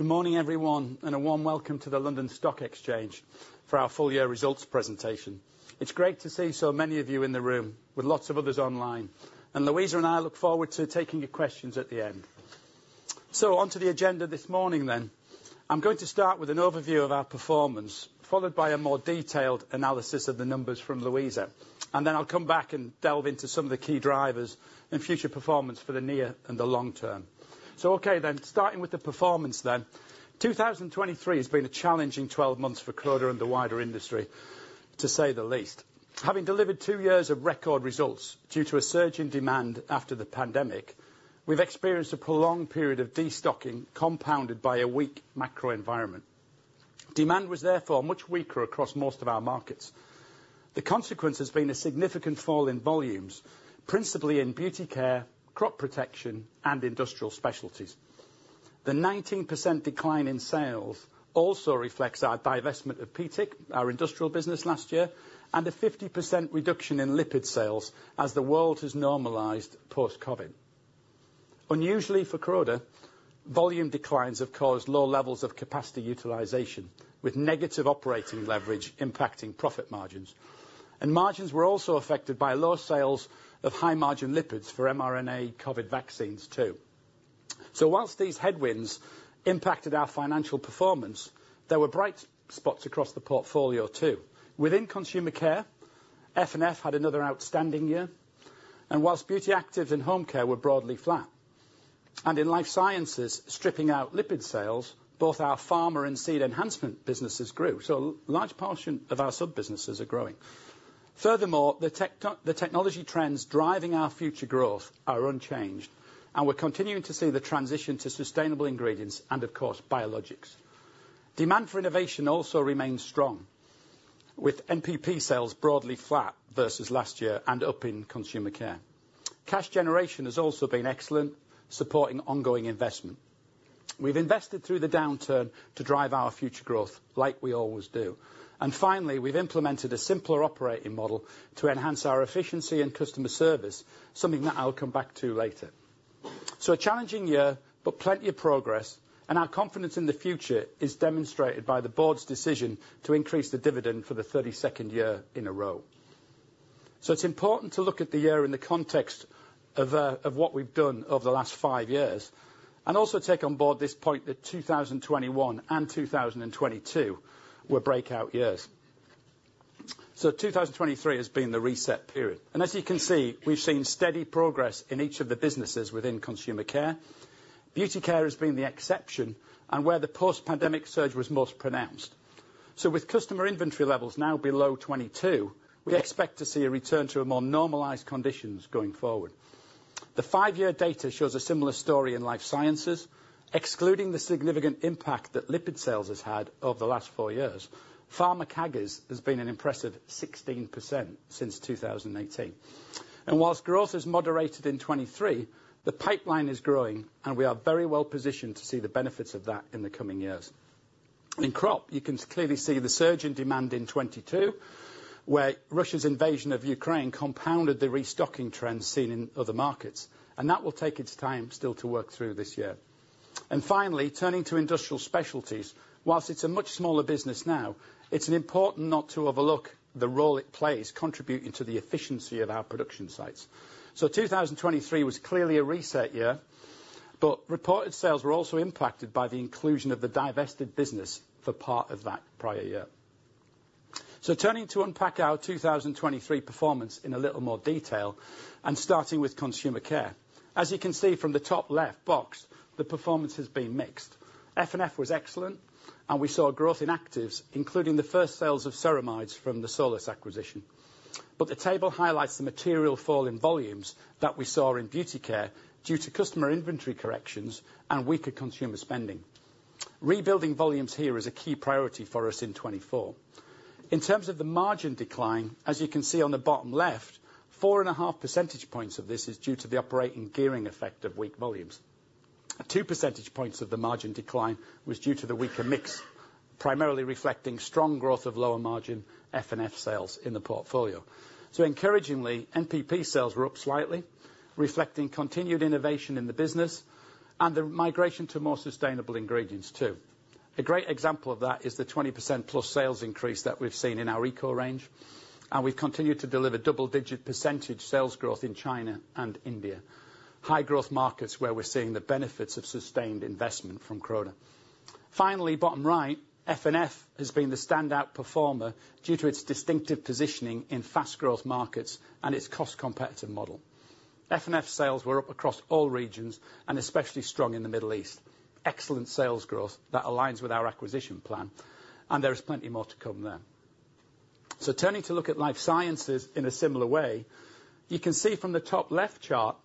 Good morning, everyone, and a warm welcome to the London Stock Exchange for our full-year results presentation. It's great to see so many of you in the room with lots of others online, and Louisa and I look forward to taking your questions at the end. So onto the agenda this morning, then. I'm going to start with an overview of our performance, followed by a more detailed analysis of the numbers from Louisa, and then I'll come back and delve into some of the key drivers in future performance for the near and the long term. So okay, then, starting with the performance, then. 2023 has been a challenging 12 months for Croda and the wider industry, to say the least. Having delivered 2 years of record results due to a surge in demand after the pandemic, we've experienced a prolonged period of destocking compounded by a weak macro environment. Demand was therefore much weaker across most of our markets. The consequence has been a significant fall in volumes, principally in Beauty Care, crop protection, and industrial specialties. The 19% decline in sales also reflects our divestment of PTIC, our industrial business, last year, and a 50% reduction in lipid sales as the world has normalized post-COVID. Unusually for Croda, volume declines have caused low levels of capacity utilization, with negative operating leverage impacting profit margins. Margins were also affected by low sales of high-margin lipids for mRNA COVID vaccines, too. While these headwinds impacted our financial performance, there were bright spots across the portfolio, too. Within Consumer Care, F&F had another outstanding year, and whilst Beauty Actives and Home Care were broadly flat. In life sciences, stripping out lipid sales, both our pharma and seed enhancement businesses grew, so a large portion of our sub-businesses are growing. Furthermore, the technology trends driving our future growth are unchanged, and we're continuing to see the transition to sustainable ingredients and, of course, biologics. Demand for innovation also remains strong, with NPP sales broadly flat versus last year and up in Consumer Care. Cash generation has also been excellent, supporting ongoing investment. We've invested through the downturn to drive our future growth like we always do. Finally, we've implemented a simpler operating model to enhance our efficiency and customer service, something that I'll come back to later. A challenging year, but plenty of progress, and our confidence in the future is demonstrated by the board's decision to increase the dividend for the 32nd year in a row. It's important to look at the year in the context of what we've done over the last five years and also take on board this point that 2021 and 2022 were breakout years. 2023 has been the reset period. As you can see, we've seen steady progress in each of the businesses within Consumer Care. Beauty Care has been the exception and where the post-pandemic surge was most pronounced. With customer inventory levels now below 22, we expect to see a return to more normalized conditions going forward. The five-year data shows a similar story in life sciences. Excluding the significant impact that lipid sales has had over the last four years, pharma CAGR has been an impressive 16% since 2018. While growth has moderated in 2023, the pipeline is growing, and we are very well positioned to see the benefits of that in the coming years. In Crop, you can clearly see the surge in demand in 2022, where Russia's invasion of Ukraine compounded the restocking trend seen in other markets. That will take its time still to work through this year. Finally, turning to Industrial Specialties. While it's a much smaller business now, it's important not to overlook the role it plays contributing to the efficiency of our production sites. So 2023 was clearly a reset year, but reported sales were also impacted by the inclusion of the divested business for part of that prior year. Turning to unpack our 2023 performance in a little more detail and starting with Consumer Care. As you can see from the top left box, the performance has been mixed. F&F was excellent, and we saw growth in actives, including the first sales of ceramides from the Solus acquisition. But the table highlights the material fall in volumes that we saw in Beauty Care due to customer inventory corrections and weaker consumer spending. Rebuilding volumes here is a key priority for us in 2024. In terms of the margin decline, as you can see on the bottom left, 4.5 percentage points of this is due to the operating gearing effect of weak volumes. Two percentage points of the margin decline was due to the weaker mix, primarily reflecting strong growth of lower margin F&F sales in the portfolio. So encouragingly, NPP sales were up slightly, reflecting continued innovation in the business and the migration to more sustainable ingredients, too. A great example of that is the 20%+ sales increase that we've seen in our ECO range, and we've continued to deliver double-digit percentage sales growth in China and India, high-growth markets where we're seeing the benefits of sustained investment from Croda. Finally, bottom right, F&F has been the standout performer due to its distinctive positioning in fast-growth markets and its cost-competitive model. F&F sales were up across all regions and especially strong in the Middle East, excellent sales growth that aligns with our acquisition plan, and there is plenty more to come there. So turning to look at Life Sciences in a similar way, you can see from the top left chart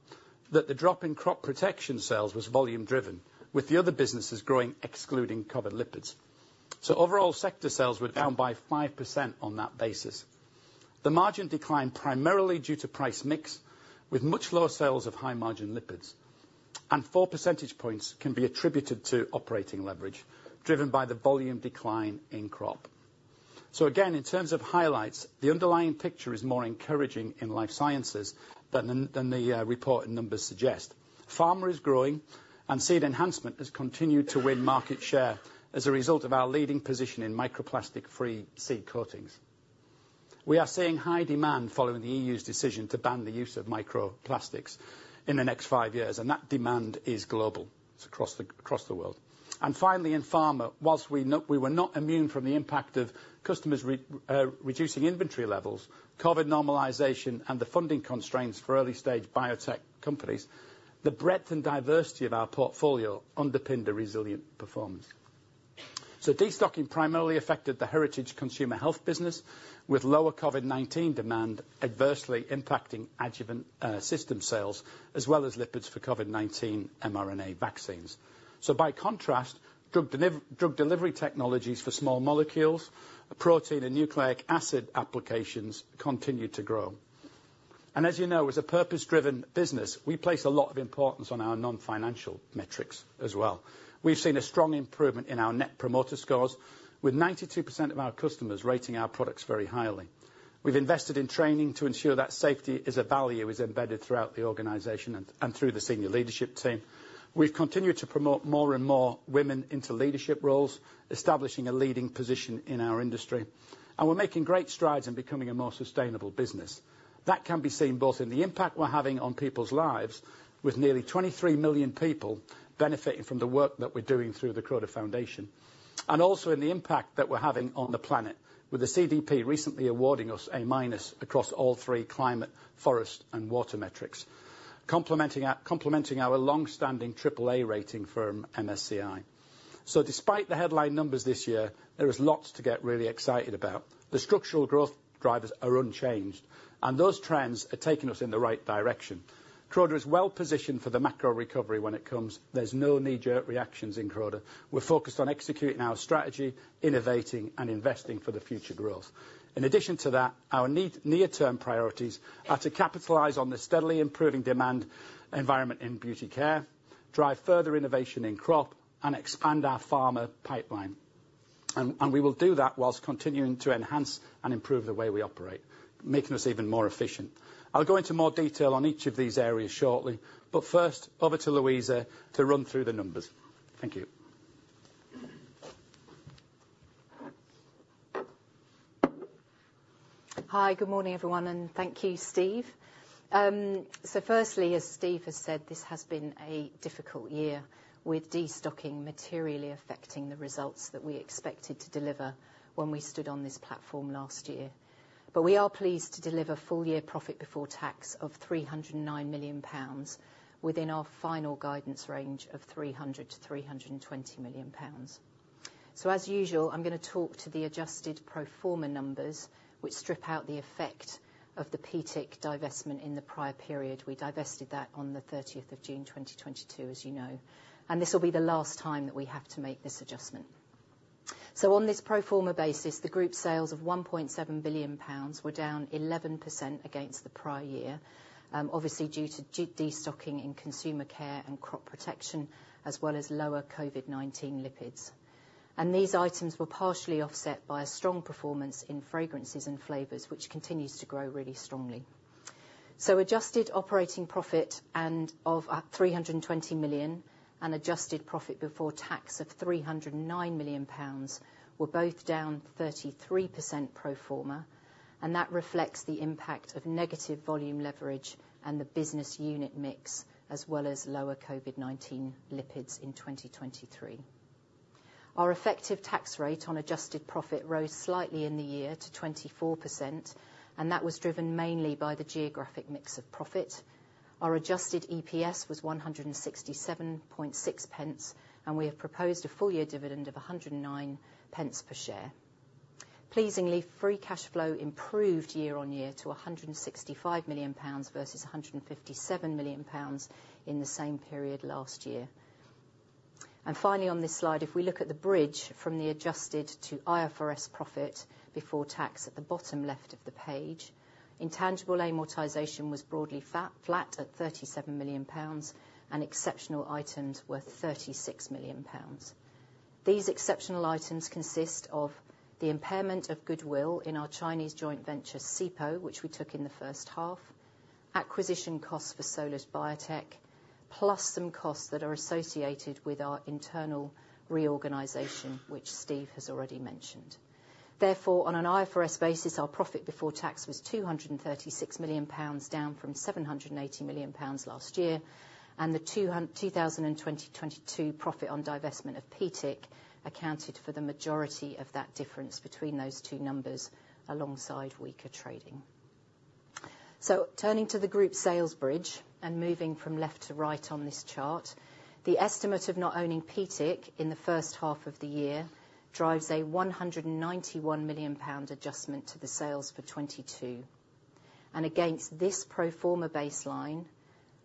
that the drop in Crop Protection sales was volume-driven, with the other businesses growing excluding covered lipids. So overall sector sales were down by 5% on that basis. The margin declined primarily due to price mix with much lower sales of high-margin lipids, and four percentage points can be attributed to operating leverage driven by the volume decline in crop. So again, in terms of highlights, the underlying picture is more encouraging in Life Sciences than the reported numbers suggest. Pharma is growing, and seed enhancement has continued to win market share as a result of our leading position in microplastic-free seed coatings. We are seeing high demand following the EU's decision to ban the use of microplastics in the next five years, and that demand is global. It's across the world. And finally, in pharma, whilst we were not immune from the impact of customers reducing inventory levels, COVID normalization, and the funding constraints for early-stage biotech companies, the breadth and diversity of our portfolio underpinned a resilient performance. So destocking primarily affected the heritage consumer health business, with lower COVID-19 demand adversely impacting adjuvant system sales as well as lipids for COVID-19 mRNA vaccines. So by contrast, drug delivery technologies for small molecules, protein, and nucleic acid applications continued to grow. And as you know, as a purpose-driven business, we place a lot of importance on our non-financial metrics as well. We've seen a strong improvement in our net promoter scores, with 92% of our customers rating our products very highly. We've invested in training to ensure that safety as a value is embedded throughout the organization and through the senior leadership team. We've continued to promote more and more women into leadership roles, establishing a leading position in our industry, and we're making great strides in becoming a more sustainable business. That can be seen both in the impact we're having on people's lives, with nearly 23 million people benefiting from the work that we're doing through the Croda Foundation, and also in the impact that we're having on the planet, with the CDP recently awarding us an A- across all three climate, forest, and water metrics, complementing our longstanding AAA rating from MSCI. So despite the headline numbers this year, there is lots to get really excited about. The structural growth drivers are unchanged, and those trends are taking us in the right direction. Croda is well positioned for the macro recovery when it comes. There's no knee-jerk reactions in Croda. We're focused on executing our strategy, innovating, and investing for the future growth. In addition to that, our near-term priorities are to capitalize on the steadily improving demand environment in Beauty Care, drive further innovation in crop, and expand our pharma pipeline. We will do that whilst continuing to enhance and improve the way we operate, making us even more efficient. I'll go into more detail on each of these areas shortly, but first, over to Louisa to run through the numbers. Thank you. Hi. Good morning, everyone, and thank you, Steve. So firstly, as Steve has said, this has been a difficult year, with destocking materially affecting the results that we expected to deliver when we stood on this platform last year. But we are pleased to deliver full-year profit before tax of 309 million pounds within our final guidance range of 300 million-320 million pounds. So as usual, I'm going to talk to the adjusted proforma numbers, which strip out the effect of the PTIC divestment in the prior period. We divested that on the 30th of June, 2022, as you know, and this will be the last time that we have to make this adjustment. So on this proforma basis, the group sales of 1.7 billion pounds were down 11% against the prior year, obviously due to destocking in Consumer Care and crop protection as well as lower COVID-19 lipids. These items were partially offset by a strong performance in fragrances and flavors, which continues to grow really strongly. Adjusted operating profit of 320 million and adjusted profit before tax of 309 million pounds were both down 33% proforma, and that reflects the impact of negative volume leverage and the business unit mix as well as lower COVID-19 lipids in 2023. Our effective tax rate on adjusted profit rose slightly in the year to 24%, and that was driven mainly by the geographic mix of profit. Our adjusted EPS was 1.676, and we have proposed a full-year dividend of 1.09 per share. Pleasingly, free cash flow improved year-on-year to 165 million pounds versus 157 million pounds in the same period last year. And finally, on this slide, if we look at the bridge from the adjusted to IFRS profit before tax at the bottom left of the page, intangible amortization was broadly flat at 37 million pounds, and exceptional items were 36 million pounds. These exceptional items consist of the impairment of goodwill in our Chinese joint venture, SIPO, which we took in the first half, acquisition costs for Solus Biotech, plus some costs that are associated with our internal reorganization, which Steve has already mentioned. Therefore, on an IFRS basis, our profit before tax was 236 million pounds, down from 780 million pounds last year, and the 2020-22 profit on divestment of PTIC accounted for the majority of that difference between those two numbers alongside weaker trading. Turning to the group sales bridge and moving from left to right on this chart, the estimate of not owning PTIC in the first half of the year drives a 191 million pound adjustment to the sales for 2022. Against this proforma baseline,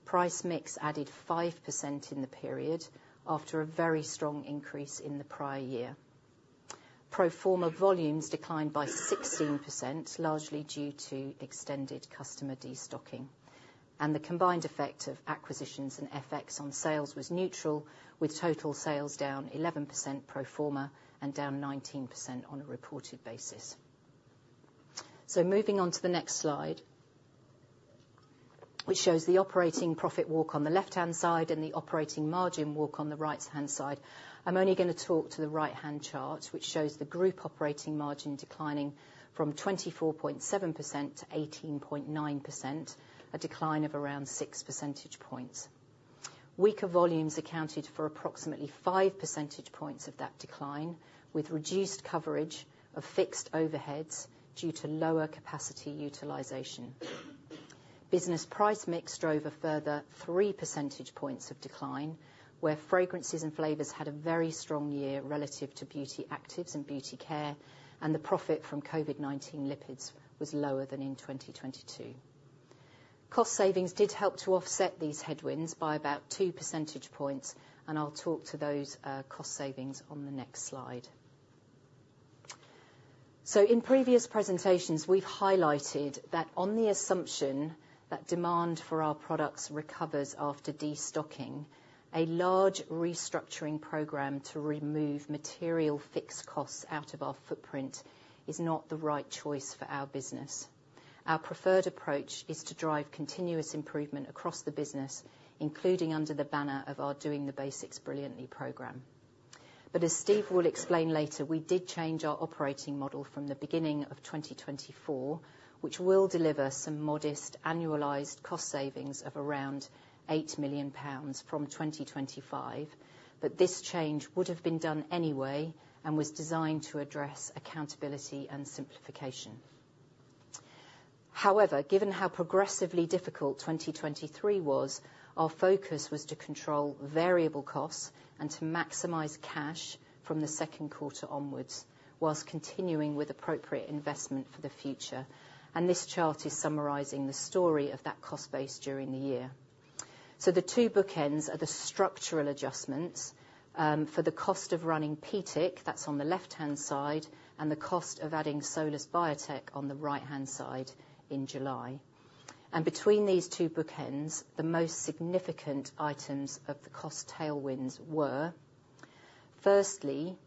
price mix added 5% in the period after a very strong increase in the prior year. Proforma volumes declined by 16%, largely due to extended customer destocking. The combined effect of acquisitions and FX on sales was neutral, with total sales down 11% proforma and down 19% on a reported basis. Moving on to the next slide, which shows the operating profit walk on the left-hand side and the operating margin walk on the right-hand side, I'm only going to talk to the right-hand chart, which shows the group operating margin declining from 24.7% to 18.9%, a decline of around 6 percentage points. Weaker volumes accounted for approximately five percentage points of that decline, with reduced coverage of fixed overheads due to lower capacity utilization. Business price mix drove a further three percentage points of decline, where fragrances and flavors had a very strong year relative to beauty actives and Beauty Care, and the profit from COVID-19 lipids was lower than in 2022. Cost savings did help to offset these headwinds by about two percentage points, and I'll talk to those cost savings on the next slide. In previous presentations, we've highlighted that on the assumption that demand for our products recovers after destocking, a large restructuring program to remove material fixed costs out of our footprint is not the right choice for our business. Our preferred approach is to drive continuous improvement across the business, including under the banner of our Doing the Basics Brilliantly program. But as Steve will explain later, we did change our operating model from the beginning of 2024, which will deliver some modest annualized cost savings of around 8 million pounds from 2025, but this change would have been done anyway and was designed to address accountability and simplification. However, given how progressively difficult 2023 was, our focus was to control variable costs and to maximize cash from the second quarter onwards while continuing with appropriate investment for the future, and this chart is summarizing the story of that cost base during the year. So the two bookends are the structural adjustments for the cost of running PTIC, that's on the left-hand side, and the cost of adding Solus Biotech on the right-hand side in July. Between these two bookends, the most significant items of the cost tailwinds were, firstly,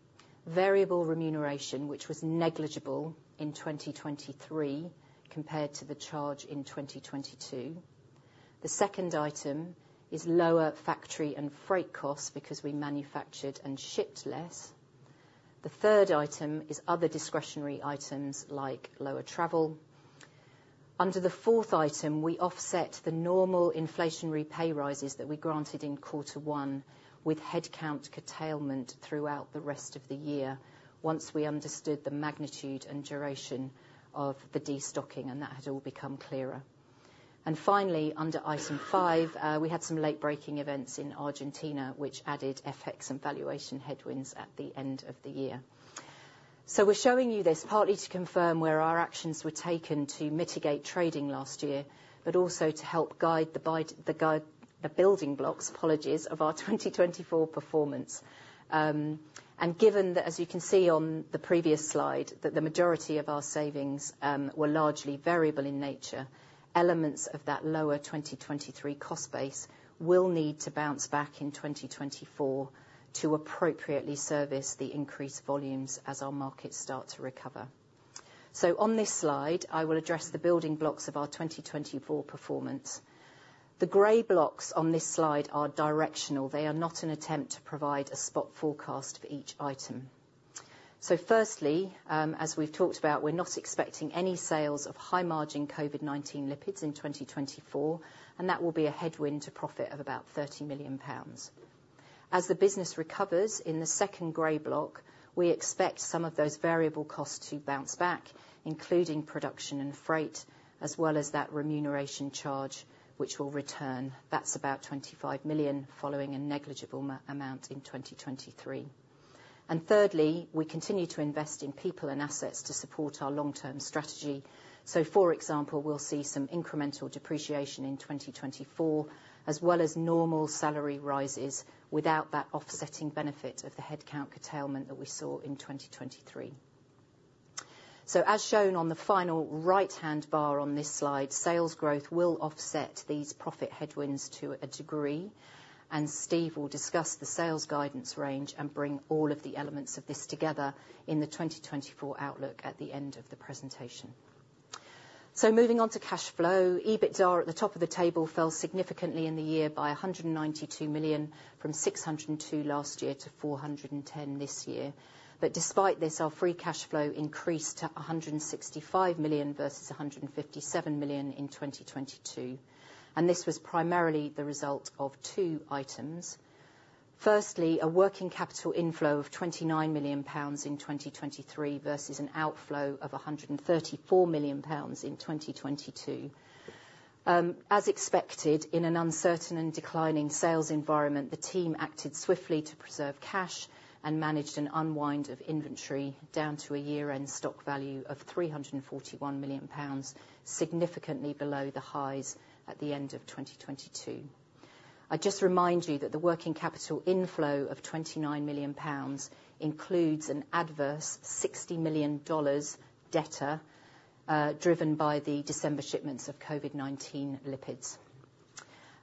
variable remuneration, which was negligible in 2023 compared to the charge in 2022. The second item is lower factory and freight costs because we manufactured and shipped less. The third item is other discretionary items like lower travel. Under the fourth item, we offset the normal inflationary pay rises that we granted in quarter one with headcount curtailment throughout the rest of the year once we understood the magnitude and duration of the destocking, and that had all become clearer. And finally, under item five, we had some late-breaking events in Argentina, which added FX and valuation headwinds at the end of the year. We're showing you this partly to confirm where our actions were taken to mitigate trading last year, but also to help guide the building blocks, apologies, of our 2024 performance. Given that, as you can see on the previous slide, that the majority of our savings were largely variable in nature, elements of that lower 2023 cost base will need to bounce back in 2024 to appropriately service the increased volumes as our markets start to recover. On this slide, I will address the building blocks of our 2024 performance. The grey blocks on this slide are directional. They are not an attempt to provide a spot forecast for each item. Firstly, as we've talked about, we're not expecting any sales of high-margin COVID-19 lipids in 2024, and that will be a headwind to profit of about 30 million pounds. As the business recovers in the second grey block, we expect some of those variable costs to bounce back, including production and freight, as well as that remuneration charge, which will return. That's about 25 million following a negligible amount in 2023. And thirdly, we continue to invest in people and assets to support our long-term strategy. So for example, we'll see some incremental depreciation in 2024, as well as normal salary rises without that offsetting benefit of the headcount curtailment that we saw in 2023. So as shown on the final right-hand bar on this slide, sales growth will offset these profit headwinds to a degree, and Steve will discuss the sales guidance range and bring all of the elements of this together in the 2024 outlook at the end of the presentation. So moving on to cash flow, EBITDA at the top of the table fell significantly in the year by 192 million from 602 million last year to 410 million this year. But despite this, our free cash flow increased to 165 million versus 157 million in 2022, and this was primarily the result of two items. Firstly, a working capital inflow of 29 million pounds in 2023 versus an outflow of 134 million pounds in 2022. As expected, in an uncertain and declining sales environment, the team acted swiftly to preserve cash and managed an unwind of inventory down to a year-end stock value of 341 million pounds, significantly below the highs at the end of 2022. I just remind you that the working capital inflow of 29 million pounds includes an adverse $60 million debt driven by the December shipments of COVID-19 lipids.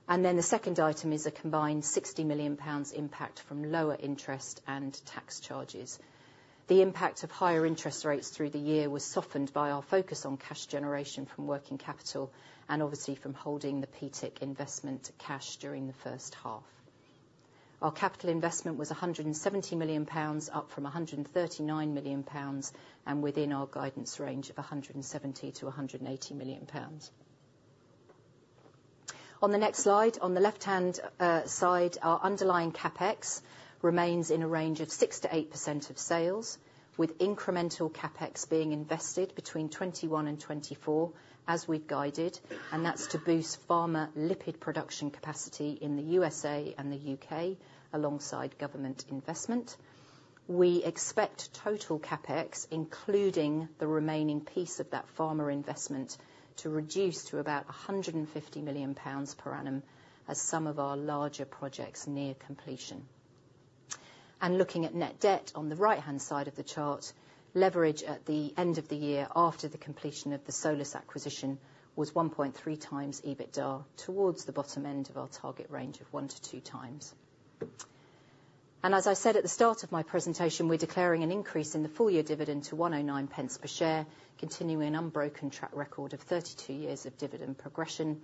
Then the second item is a combined 60 million pounds impact from lower interest and tax charges. The impact of higher interest rates through the year was softened by our focus on cash generation from working capital and obviously from holding the PTIC investment cash during the first half. Our capital investment was 170 million pounds up from 139 million pounds and within our guidance range of 170 million-180 million pounds. On the next slide, on the left-hand side, our underlying CapEx remains in a range of 6%-8% of sales, with incremental CapEx being invested between 2021 and 2024 as we've guided, and that's to boost pharma lipid production capacity in the U.S. and the U.K. alongside government investment. We expect total CapEx, including the remaining piece of that pharma investment, to reduce to about 150 million pounds per annum as some of our larger projects near completion. Looking at net debt on the right-hand side of the chart, leverage at the end of the year after the completion of the Solus acquisition was 1.3x EBITDA towards the bottom end of our target range of 1-2 times. As I said at the start of my presentation, we're declaring an increase in the full-year dividend to 1.09 per share, continuing an unbroken track record of 32 years of dividend progression.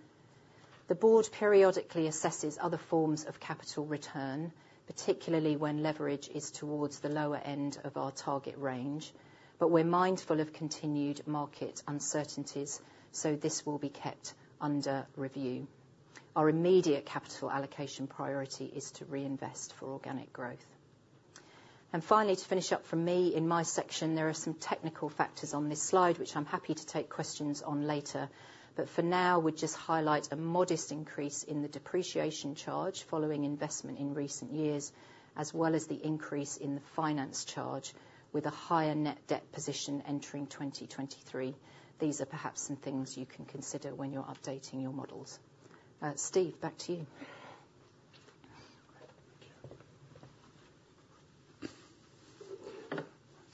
The board periodically assesses other forms of capital return, particularly when leverage is towards the lower end of our target range, but we're mindful of continued market uncertainties, so this will be kept under review. Our immediate capital allocation priority is to reinvest for organic growth. And finally, to finish up from me in my section, there are some technical factors on this slide, which I'm happy to take questions on later, but for now, we'd just highlight a modest increase in the depreciation charge following investment in recent years, as well as the increase in the finance charge with a higher net debt position entering 2023. These are perhaps some things you can consider when you're updating your models. Steve, back to you.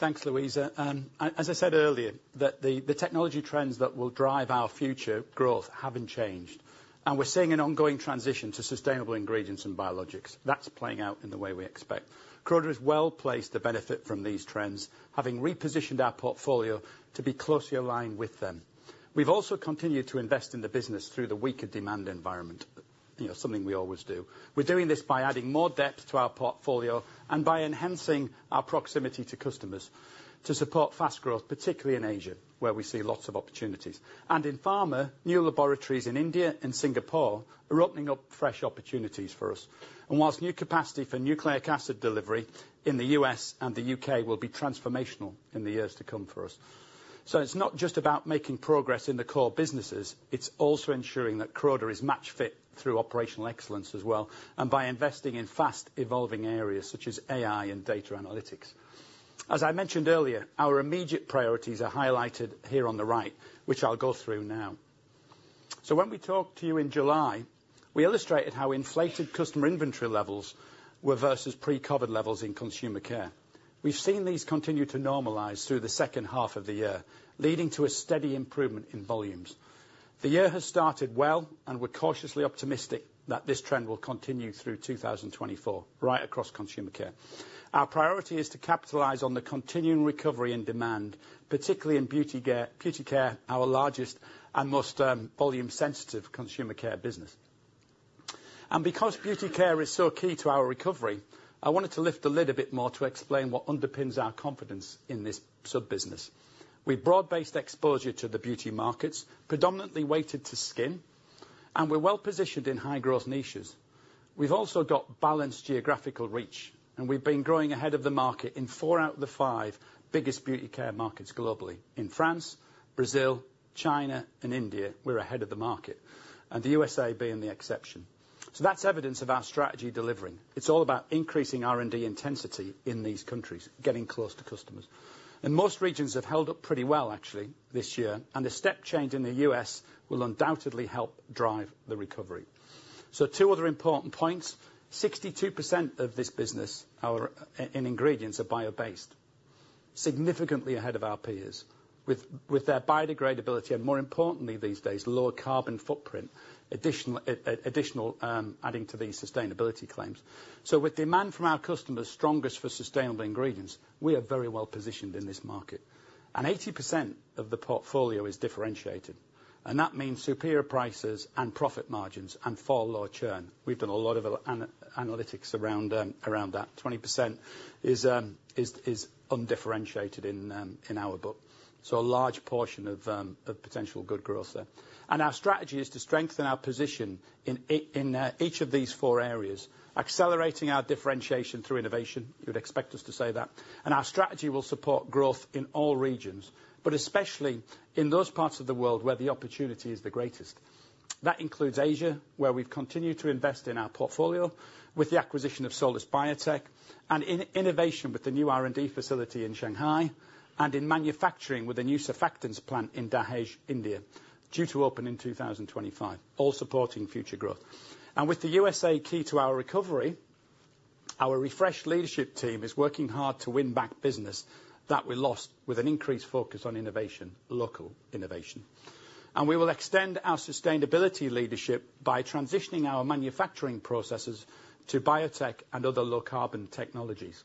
Thank you. Thanks, Louisa. As I said earlier, the technology trends that will drive our future growth haven't changed, and we're seeing an ongoing transition to sustainable ingredients and biologics. That's playing out in the way we expect. Croda has well placed the benefit from these trends, having repositioned our portfolio to be closely aligned with them. We've also continued to invest in the business through the weaker demand environment, something we always do. We're doing this by adding more depth to our portfolio and by enhancing our proximity to customers to support fast growth, particularly in Asia, where we see lots of opportunities. And in pharma, new laboratories in India and Singapore are opening up fresh opportunities for us, and whilst new capacity for nucleic acid delivery in the U.S. and the U.K. will be transformational in the years to come for us. So it's not just about making progress in the core businesses, it's also ensuring that Croda is match-fit through operational excellence as well, and by investing in fast-evolving areas such as AI and data analytics. As I mentioned earlier, our immediate priorities are highlighted here on the right, which I'll go through now. So when we talked to you in July, we illustrated how inflated customer inventory levels were versus pre-COVID levels in Consumer Care. We've seen these continue to normalize through the second half of the year, leading to a steady improvement in volumes. The year has started well, and we're cautiously optimistic that this trend will continue through 2024 right across Consumer Care. Our priority is to capitalize on the continuing recovery in demand, particularly in Beauty Care, our largest and most volume-sensitive Consumer Care business. Because Beauty Care is so key to our recovery, I wanted to lift the lid a bit more to explain what underpins our confidence in this sub-business. We've broad-based exposure to the beauty markets, predominantly weighted to skin, and we're well-positioned in high-growth niches. We've also got balanced geographical reach, and we've been growing ahead of the market in four out of the five biggest Beauty Care markets globally. In France, Brazil, China, and India, we're ahead of the market, and the USA being the exception. That's evidence of our strategy delivering. It's all about increasing R&D intensity in these countries, getting close to customers. Most regions have held up pretty well, actually, this year, and a step change in the US will undoubtedly help drive the recovery. Two other important points. 62% of this business in ingredients are bio-based, significantly ahead of our peers with their biodegradability and, more importantly these days, lower carbon footprint, adding to these sustainability claims. So with demand from our customers strongest for sustainable ingredients, we are very well-positioned in this market. And 80% of the portfolio is differentiated, and that means superior prices and profit margins and far lower churn. We've done a lot of analytics around that. 20% is undifferentiated in our book. So a large portion of potential good growth there. And our strategy is to strengthen our position in each of these four areas, accelerating our differentiation through innovation. You would expect us to say that. And our strategy will support growth in all regions, but especially in those parts of the world where the opportunity is the greatest. That includes Asia, where we've continued to invest in our portfolio with the acquisition of Solus Biotech, and in innovation with the new R&D facility in Shanghai, and in manufacturing with a new surfactants plant in Dahej, India, due to open in 2025, all supporting future growth. And with the USA key to our recovery, our refreshed leadership team is working hard to win back business that we lost with an increased focus on innovation, local innovation. And we will extend our sustainability leadership by transitioning our manufacturing processes to biotech and other low-carbon technologies,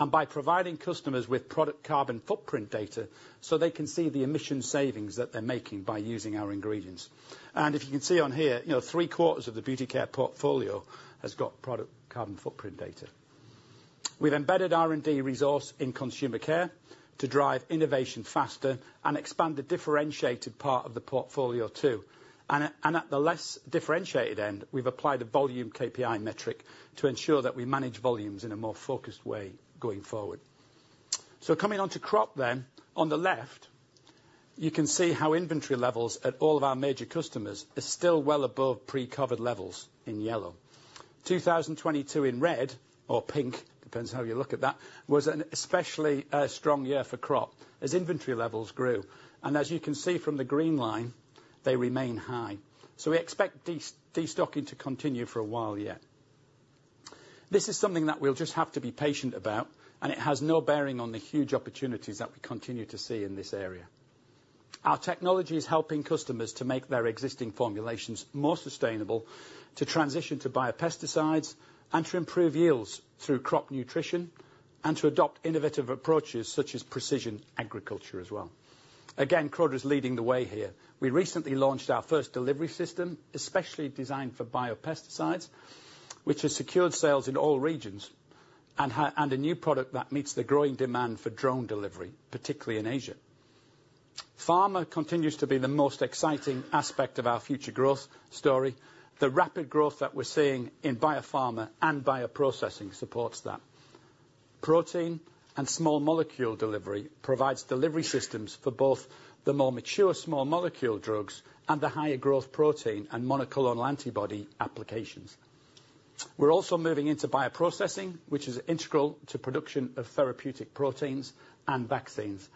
and by providing customers with product carbon footprint data so they can see the emission savings that they're making by using our ingredients. And if you can see on here, three-quarters of the Beauty Care portfolio has got product carbon footprint data. We've embedded R&D resource in Consumer Care to drive innovation faster and expand the differentiated part of the portfolio too. At the less differentiated end, we've applied a volume KPI metric to ensure that we manage volumes in a more focused way going forward. Coming onto crop then, on the left, you can see how inventory levels at all of our major customers are still well above pre-COVID levels in yellow. 2022 in red or pink, depends how you look at that, was especially a strong year for crop as inventory levels grew. As you can see from the green line, they remain high. We expect destocking to continue for a while yet. This is something that we'll just have to be patient about, and it has no bearing on the huge opportunities that we continue to see in this area. Our technology is helping customers to make their existing formulations more sustainable, to transition to biopesticides, and to improve yields through crop nutrition, and to adopt innovative approaches such as precision agriculture as well. Again, Croda is leading the way here. We recently launched our first delivery system, especially designed for biopesticides, which has secured sales in all regions, and a new product that meets the growing demand for drone delivery, particularly in Asia. Pharma continues to be the most exciting aspect of our future growth story. The rapid growth that we're seeing in biopharma and bioprocessing supports that. Protein and small molecule delivery provides delivery systems for both the more mature small molecule drugs and the higher growth protein and monoclonal antibody applications. We're also moving into bioprocessing, which is integral to production of therapeutic proteins and vaccines.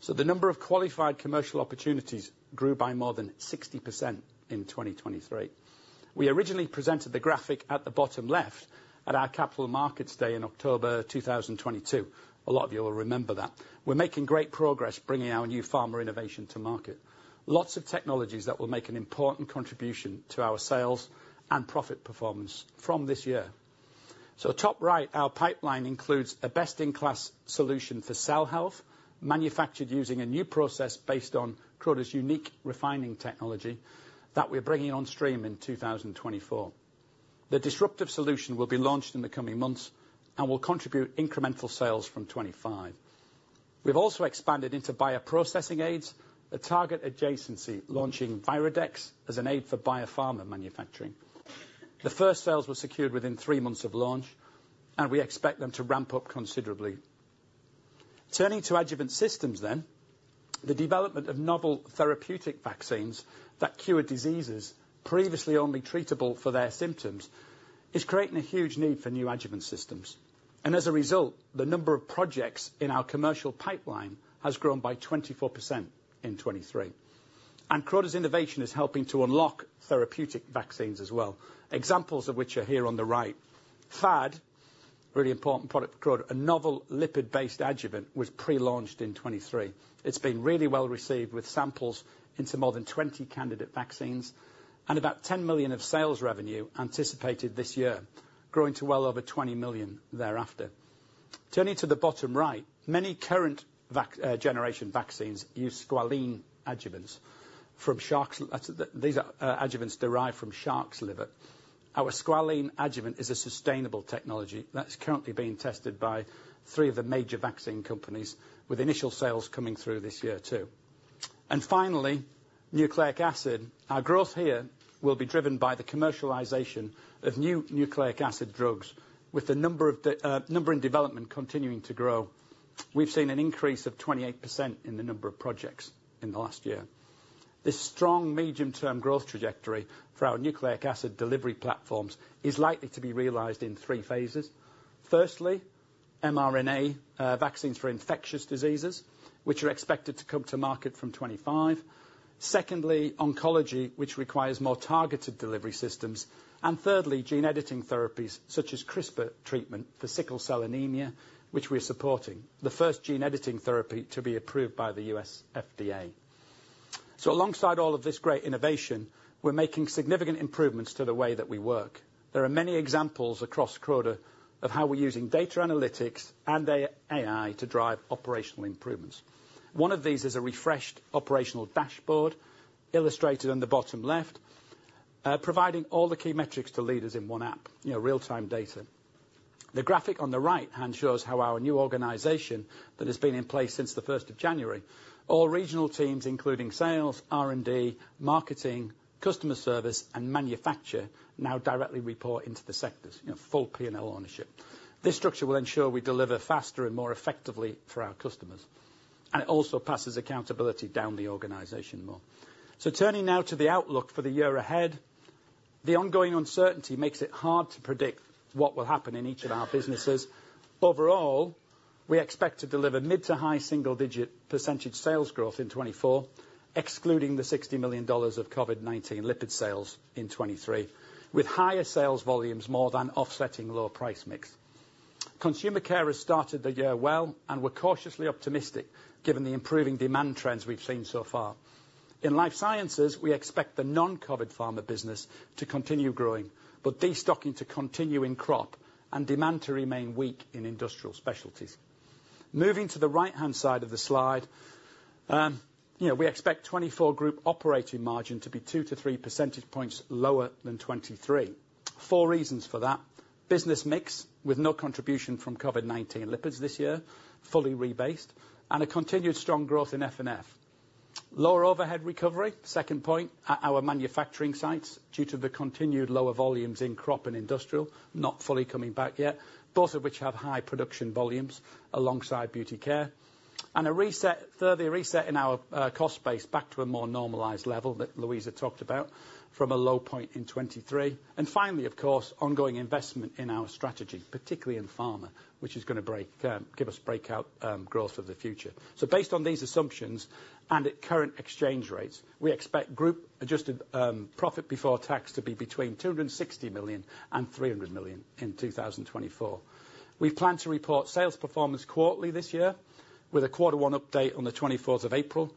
So the number of qualified commercial opportunities grew by more than 60% in 2023. We originally presented the graphic at the bottom left at our capital markets day in October 2022. A lot of you will remember that. We're making great progress bringing our new pharma innovation to market, lots of technologies that will make an important contribution to our sales and profit performance from this year. So top right, our pipeline includes a best-in-class solution for cell health, manufactured using a new process based on Croda's unique refining technology that we're bringing on stream in 2024. The disruptive solution will be launched in the coming months and will contribute incremental sales from 2025. We've also expanded into bioprocessing aids, a target adjacency launching Virodex as an aid for biopharma manufacturing. The first sales were secured within three months of launch, and we expect them to ramp up considerably. Turning to adjuvant systems then, the development of novel therapeutic vaccines that cure diseases previously only treatable for their symptoms is creating a huge need for new adjuvant systems. As a result, the number of projects in our commercial pipeline has grown by 24% in 2023. Croda's innovation is helping to unlock therapeutic vaccines as well, examples of which are here on the right. PHAD, really important product for Croda, a novel lipid-based adjuvant, was pre-launched in 2023. It's been really well received with samples into more than 20 candidate vaccines and about 10 million of sales revenue anticipated this year, growing to well over 20 million thereafter. Turning to the bottom right, many current-generation vaccines use squalene adjuvants from sharks. These are adjuvants derived from shark's liver. Our squalene adjuvant is a sustainable technology that's currently being tested by three of the major vaccine companies, with initial sales coming through this year too. Finally, nucleic acid. Our growth here will be driven by the commercialization of new nucleic acid drugs, with the number in development continuing to grow. We've seen an increase of 28% in the number of projects in the last year. This strong medium-term growth trajectory for our nucleic acid delivery platforms is likely to be realized in three phases. Firstly, mRNA vaccines for infectious diseases, which are expected to come to market from 2025. Secondly, oncology, which requires more targeted delivery systems. And thirdly, gene editing therapies such as CRISPR treatment for sickle cell anemia, which we are supporting, the first gene editing therapy to be approved by the U.S. FDA. Alongside all of this great innovation, we're making significant improvements to the way that we work. There are many examples across Croda of how we're using data analytics and AI to drive operational improvements. One of these is a refreshed operational dashboard illustrated on the bottom left, providing all the key metrics to leaders in one app, real-time data. The graphic on the right-hand shows how our new organization that has been in place since the 1st of January, all regional teams including sales, R&D, marketing, customer service, and manufacture now directly report into the sectors, full P&L ownership. This structure will ensure we deliver faster and more effectively for our customers, and it also passes accountability down the organization more. Turning now to the outlook for the year ahead, the ongoing uncertainty makes it hard to predict what will happen in each of our businesses. Overall, we expect to deliver mid- to high-single-digit percentage sales growth in 2024, excluding the $60 million of COVID-19 lipid sales in 2023, with higher sales volumes more than offsetting low price mix. Consumer Care has started the year well and we're cautiously optimistic given the improving demand trends we've seen so far. In Life Sciences, we expect the non-COVID pharma business to continue growing, but destocking to continue in crop and demand to remain weak in Industrial Specialties. Moving to the right-hand side of the slide, we expect 2024 group operating margin to be 2-3 percentage points lower than 2023. Four reasons for that: business mix with no contribution from COVID-19 lipids this year, fully rebased, and a continued strong growth in F&F. Lower overhead recovery, second point, at our manufacturing sites due to the continued lower volumes in crop and industrial, not fully coming back yet, both of which have high production volumes alongside Beauty Care. A further reset in our cost base back to a more normalized level that Louisa talked about from a low point in 2023. Finally, of course, ongoing investment in our strategy, particularly in pharma, which is going to give us breakout growth for the future. Based on these assumptions and at current exchange rates, we expect group adjusted profit before tax to be between 260 million and 300 million in 2024. We plan to report sales performance quarterly this year with a quarter one update on the 24th of April.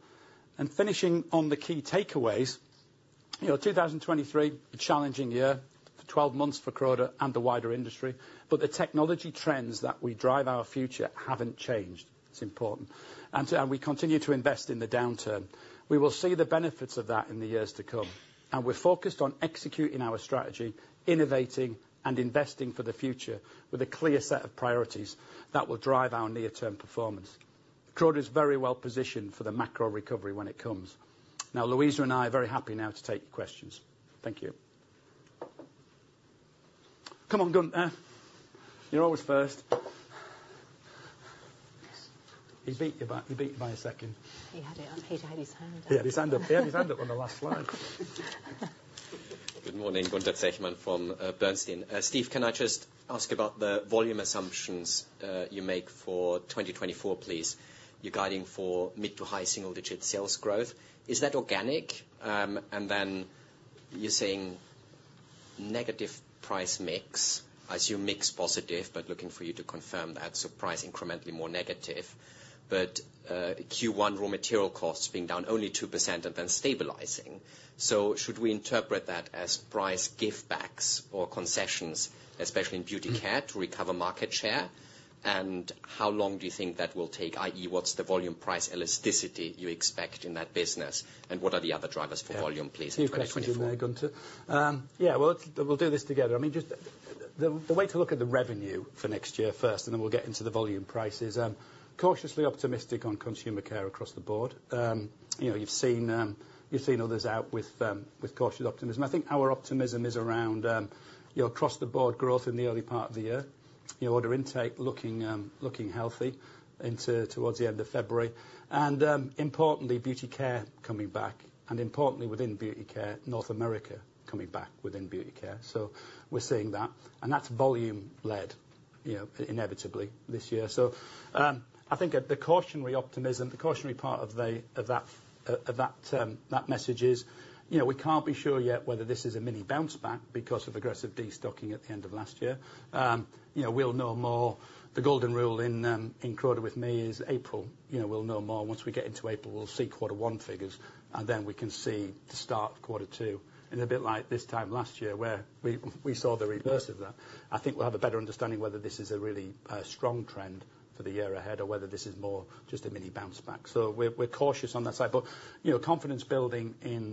And finishing on the key takeaways, 2023, a challenging year for 12 months for Croda and the wider industry, but the technology trends that we drive our future haven't changed. It's important. And we continue to invest in the downturn. We will see the benefits of that in the years to come. And we're focused on executing our strategy, innovating, and investing for the future with a clear set of priorities that will drive our near-term performance. Croda is very well positioned for the macro recovery when it comes. Now, Louisa and I are very happy now to take your questions. Thank you. Come on, Gunther. You're always first. He beat you by a second. He had it. I hate to have his hand up. He had his hand up. He had his hand up on the last slide. Good morning. Gunther Zechmann from Bernstein. Steve, can I just ask about the volume assumptions you make for 2024, please? Your guidance for mid- to high single-digit sales growth? Is that organic? And then you're saying negative price mix. I assume mix positive, but looking for you to confirm that. So price incrementally more negative. But Q1 raw material costs being down only 2% and then stabilizing. So should we interpret that as price give-backs or concessions, especially in Beauty Care, to recover market share? And how long do you think that will take, i.e., what's the volume price elasticity you expect in that business? And what are the other drivers for volume, please? Can you correct me if I'm wrong, Gunther? Yeah. Well, we'll do this together. I mean, just the way to look at the revenue for next year first, and then we'll get into the volume prices, cautiously optimistic on Consumer Care across the board. You've seen others out with cautious optimism. I think our optimism is around across-the-board growth in the early part of the year, order intake looking healthy towards the end of February. And importantly, Beauty Care coming back. And importantly, within Beauty Care, North America coming back within Beauty Care. So we're seeing that. And that's volume-led, inevitably, this year. So I think the cautionary optimism, the cautionary part of that message is we can't be sure yet whether this is a mini bounce back because of aggressive destocking at the end of last year. We'll know more. The golden rule in Croda with me is April. We'll know more. Once we get into April, we'll see quarter one figures, and then we can see the start of quarter two. A bit like this time last year where we saw the reverse of that, I think we'll have a better understanding whether this is a really strong trend for the year ahead or whether this is more just a mini bounce back. So we're cautious on that side. But confidence building in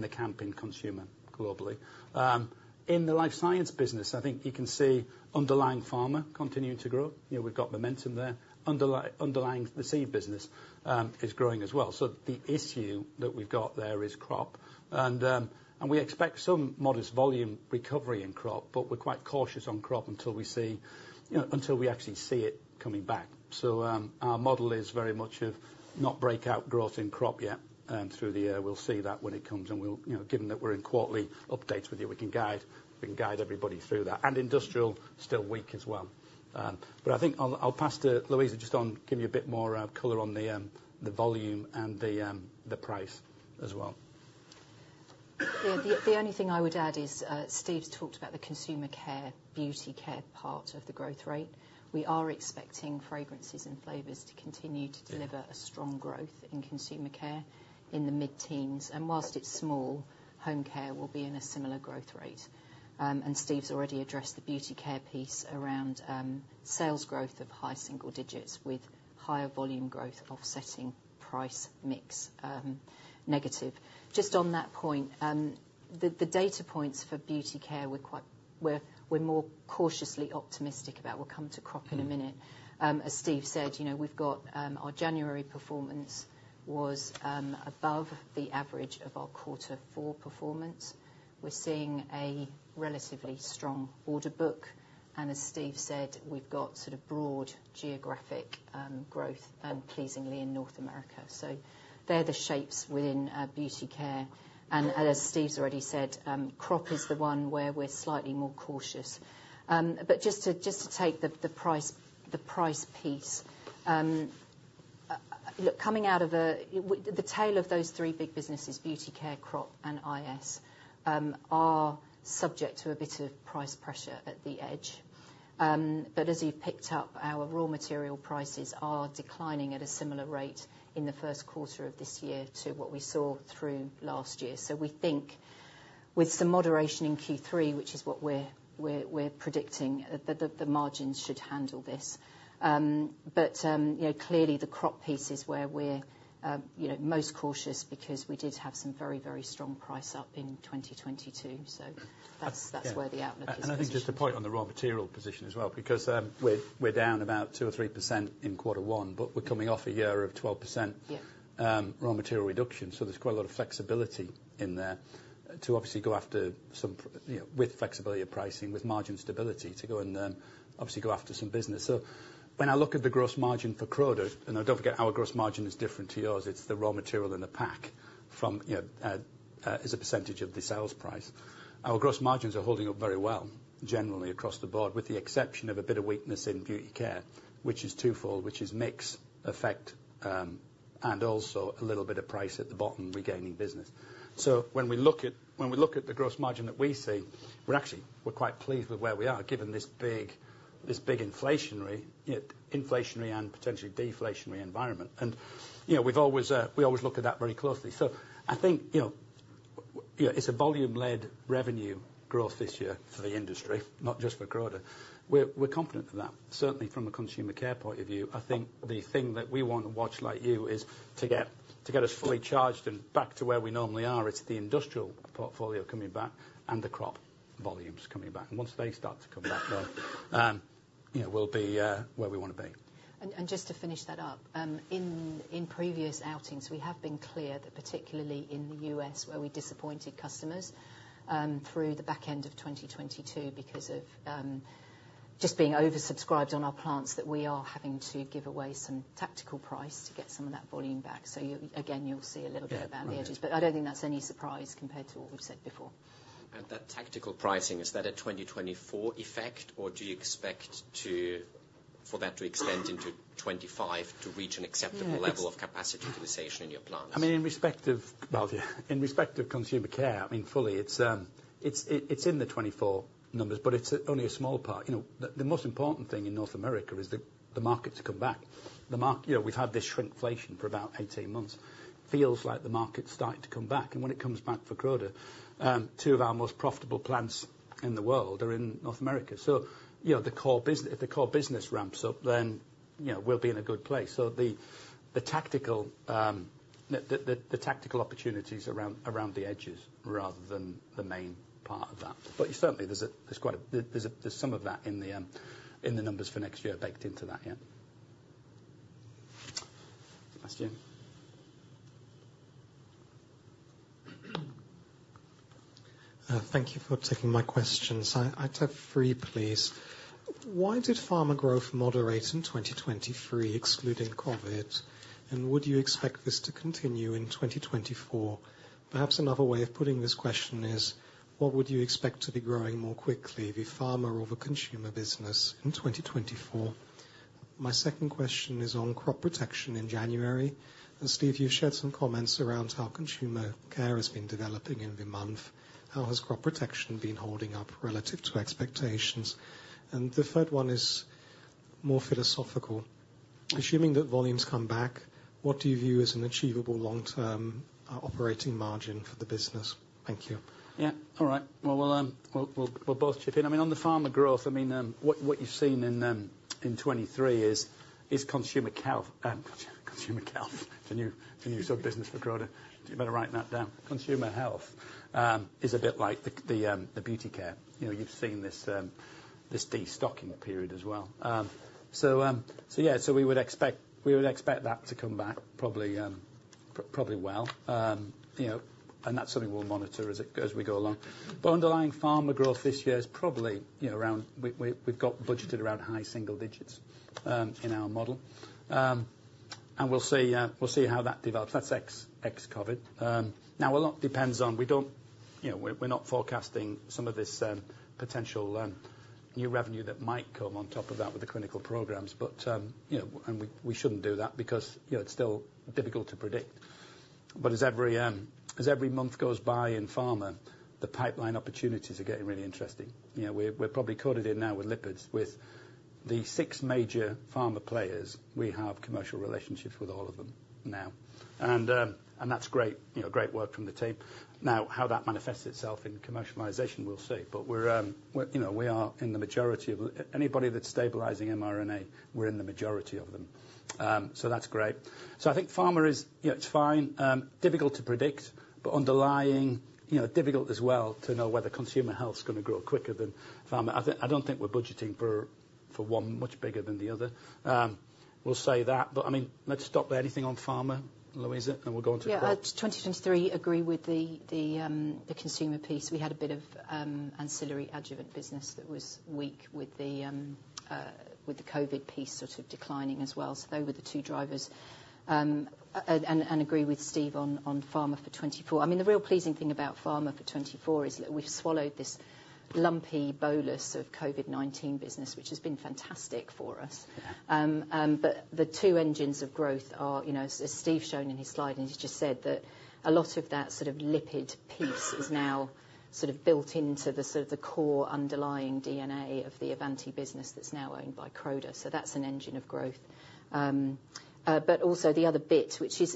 the camp in consumer globally. In the life science business, I think you can see underlying pharma continuing to grow. We've got momentum there. Underlying the seed business is growing as well. So the issue that we've got there is crop. We expect some modest volume recovery in crop, but we're quite cautious on crop until we actually see it coming back. So our model is very much of not breakout growth in crop yet through the year. We'll see that when it comes. Given that we're in quarterly updates with you, we can guide everybody through that. Industrial, still weak as well. But I think I'll pass to Louisa just to give you a bit more color on the volume and the price as well. The only thing I would add is Steve's talked about the Consumer Care, Beauty Care part of the growth rate. We are expecting fragrances and flavors to continue to deliver a strong growth in Consumer Care in the mid-teens. While it's small, home care will be in a similar growth rate. Steve's already addressed the Beauty Care piece around sales growth of high single digits with higher volume growth offsetting price mix negative. Just on that point, the data points for Beauty Care, we're more cautiously optimistic about. We'll come to crop in a minute. As Steve said, we've got our January performance was above the average of our quarter four performance. We're seeing a relatively strong order book. And as Steve said, we've got sort of broad geographic growth, pleasingly, in North America. So they're the shapes within Beauty Care. And as Steve's already said, crop is the one where we're slightly more cautious. But just to take the price piece, coming out of the tail of those three big businesses, Beauty Care, crop, and IS, are subject to a bit of price pressure at the edge. But as you've picked up, our raw material prices are declining at a similar rate in the first quarter of this year to what we saw through last year. So we think with some moderation in Q3, which is what we're predicting, that the margins should handle this. But clearly, the crop piece is where we're most cautious because we did have some very, very strong price up in 2022. So that's where the outlook is. And I think just a point on the raw material position as well because we're down about 2%-3% in quarter one, but we're coming off a year of 12% raw material reduction. So there's quite a lot of flexibility in there to obviously go after some with flexibility of pricing, with margin stability, to go and obviously go after some business. So when I look at the gross margin for Croda and don't forget, our gross margin is different to yours. It's the raw material in the pack as a percentage of the sales price. Our gross margins are holding up very well, generally, across the board, with the exception of a bit of weakness in Beauty Care, which is twofold, which is mix effect and also a little bit of price at the bottom regaining business. So when we look at the gross margin that we see, actually, we're quite pleased with where we are given this big inflationary and potentially deflationary environment. We always look at that very closely. So I think it's a volume-led revenue growth this year for the industry, not just for Croda. We're confident of that. Certainly, from a Consumer Care point of view, I think the thing that we want to watch like you is to get us fully charged and back to where we normally are. It's the industrial portfolio coming back and the crop volumes coming back. Once they start to come back, then we'll be where we want to be. Just to finish that up, in previous outings, we have been clear that particularly in the U.S., where we disappointed customers through the back end of 2022 because of just being oversubscribed on our plants, that we are having to give away some tactical price to get some of that volume back. So again, you'll see a little bit about the edges. But I don't think that's any surprise compared to what we've said before. And that tactical pricing, is that a 2024 effect, or do you expect for that to extend into 2025 to reach an acceptable level of capacity utilization in your plants? I mean, in respect of, well, yeah. In respect of Consumer Care, I mean, fully, it's in the 2024 numbers, but it's only a small part. The most important thing in North America is the market to come back. We've had this shrinkflation for about 18 months. Feels like the market's starting to come back. When it comes back for Croda, two of our most profitable plants in the world are in North America. If the core business ramps up, then we'll be in a good place. The tactical opportunities around the edges rather than the main part of that. Certainly, there's some of that in the numbers for next year baked into that yet. Sebastian. Thank you for taking my questions. I'd have three, please. Why did pharma growth moderate in 2023, excluding COVID? Would you expect this to continue in 2024? Perhaps another way of putting this question is, what would you expect to be growing more quickly, the pharma or the consumer business, in 2024? My second question is on crop protection in January. And Steve, you've shared some comments around how Consumer Care has been developing in the month. How has crop protection been holding up relative to expectations? And the third one is more philosophical. Assuming that volumes come back, what do you view as an achievable long-term operating margin for the business? Thank you. Yeah. All right. Well, we'll both chip in. I mean, on the pharma growth, I mean, what you've seen in 2023 is Consumer Care, Consumer Care, the new sort of business for Croda. You better write that down. Consumer health is a bit like the Beauty Care. You've seen this destocking period as well. So yeah. So we would expect that to come back probably well. And that's something we'll monitor as we go along. But underlying pharma growth this year is probably around. We've got budgeted around high single digits in our model. We'll see how that develops. That's ex-COVID. Now, a lot depends on, we're not forecasting some of this potential new revenue that might come on top of that with the clinical programs. And we shouldn't do that because it's still difficult to predict. But as every month goes by in pharma, the pipeline opportunities are getting really interesting. We're probably coated in now with lipids. With the six major pharma players, we have commercial relationships with all of them now. And that's great. Great work from the team. Now, how that manifests itself in commercialization, we'll see. But we are in the majority of anybody that's stabilizing mRNA, we're in the majority of them. So that's great. So I think pharma is, it's fine. Difficult to predict. But underlying, difficult as well to know whether consumer health's going to grow quicker than pharma. I don't think we're budgeting for one much bigger than the other. We'll say that. But I mean, let's stop there. Anything on pharma, Louisa? And we'll go on to crop? Yeah. 2023, agree with the consumer piece. We had a bit of ancillary adjuvant business that was weak with the COVID piece sort of declining as well. So those were the two drivers. And agree with Steve on pharma for 2024. I mean, the real pleasing thing about pharma for 2024 is that we've swallowed this lumpy bolus of COVID-19 business, which has been fantastic for us. But the two engines of growth are, as Steve's shown in his slide, and he's just said, that a lot of that sort of lipid piece is now sort of built into the sort of the core underlying DNA of the Avanti business that's now owned by Croda. So that's an engine of growth. But also, the other bit, which is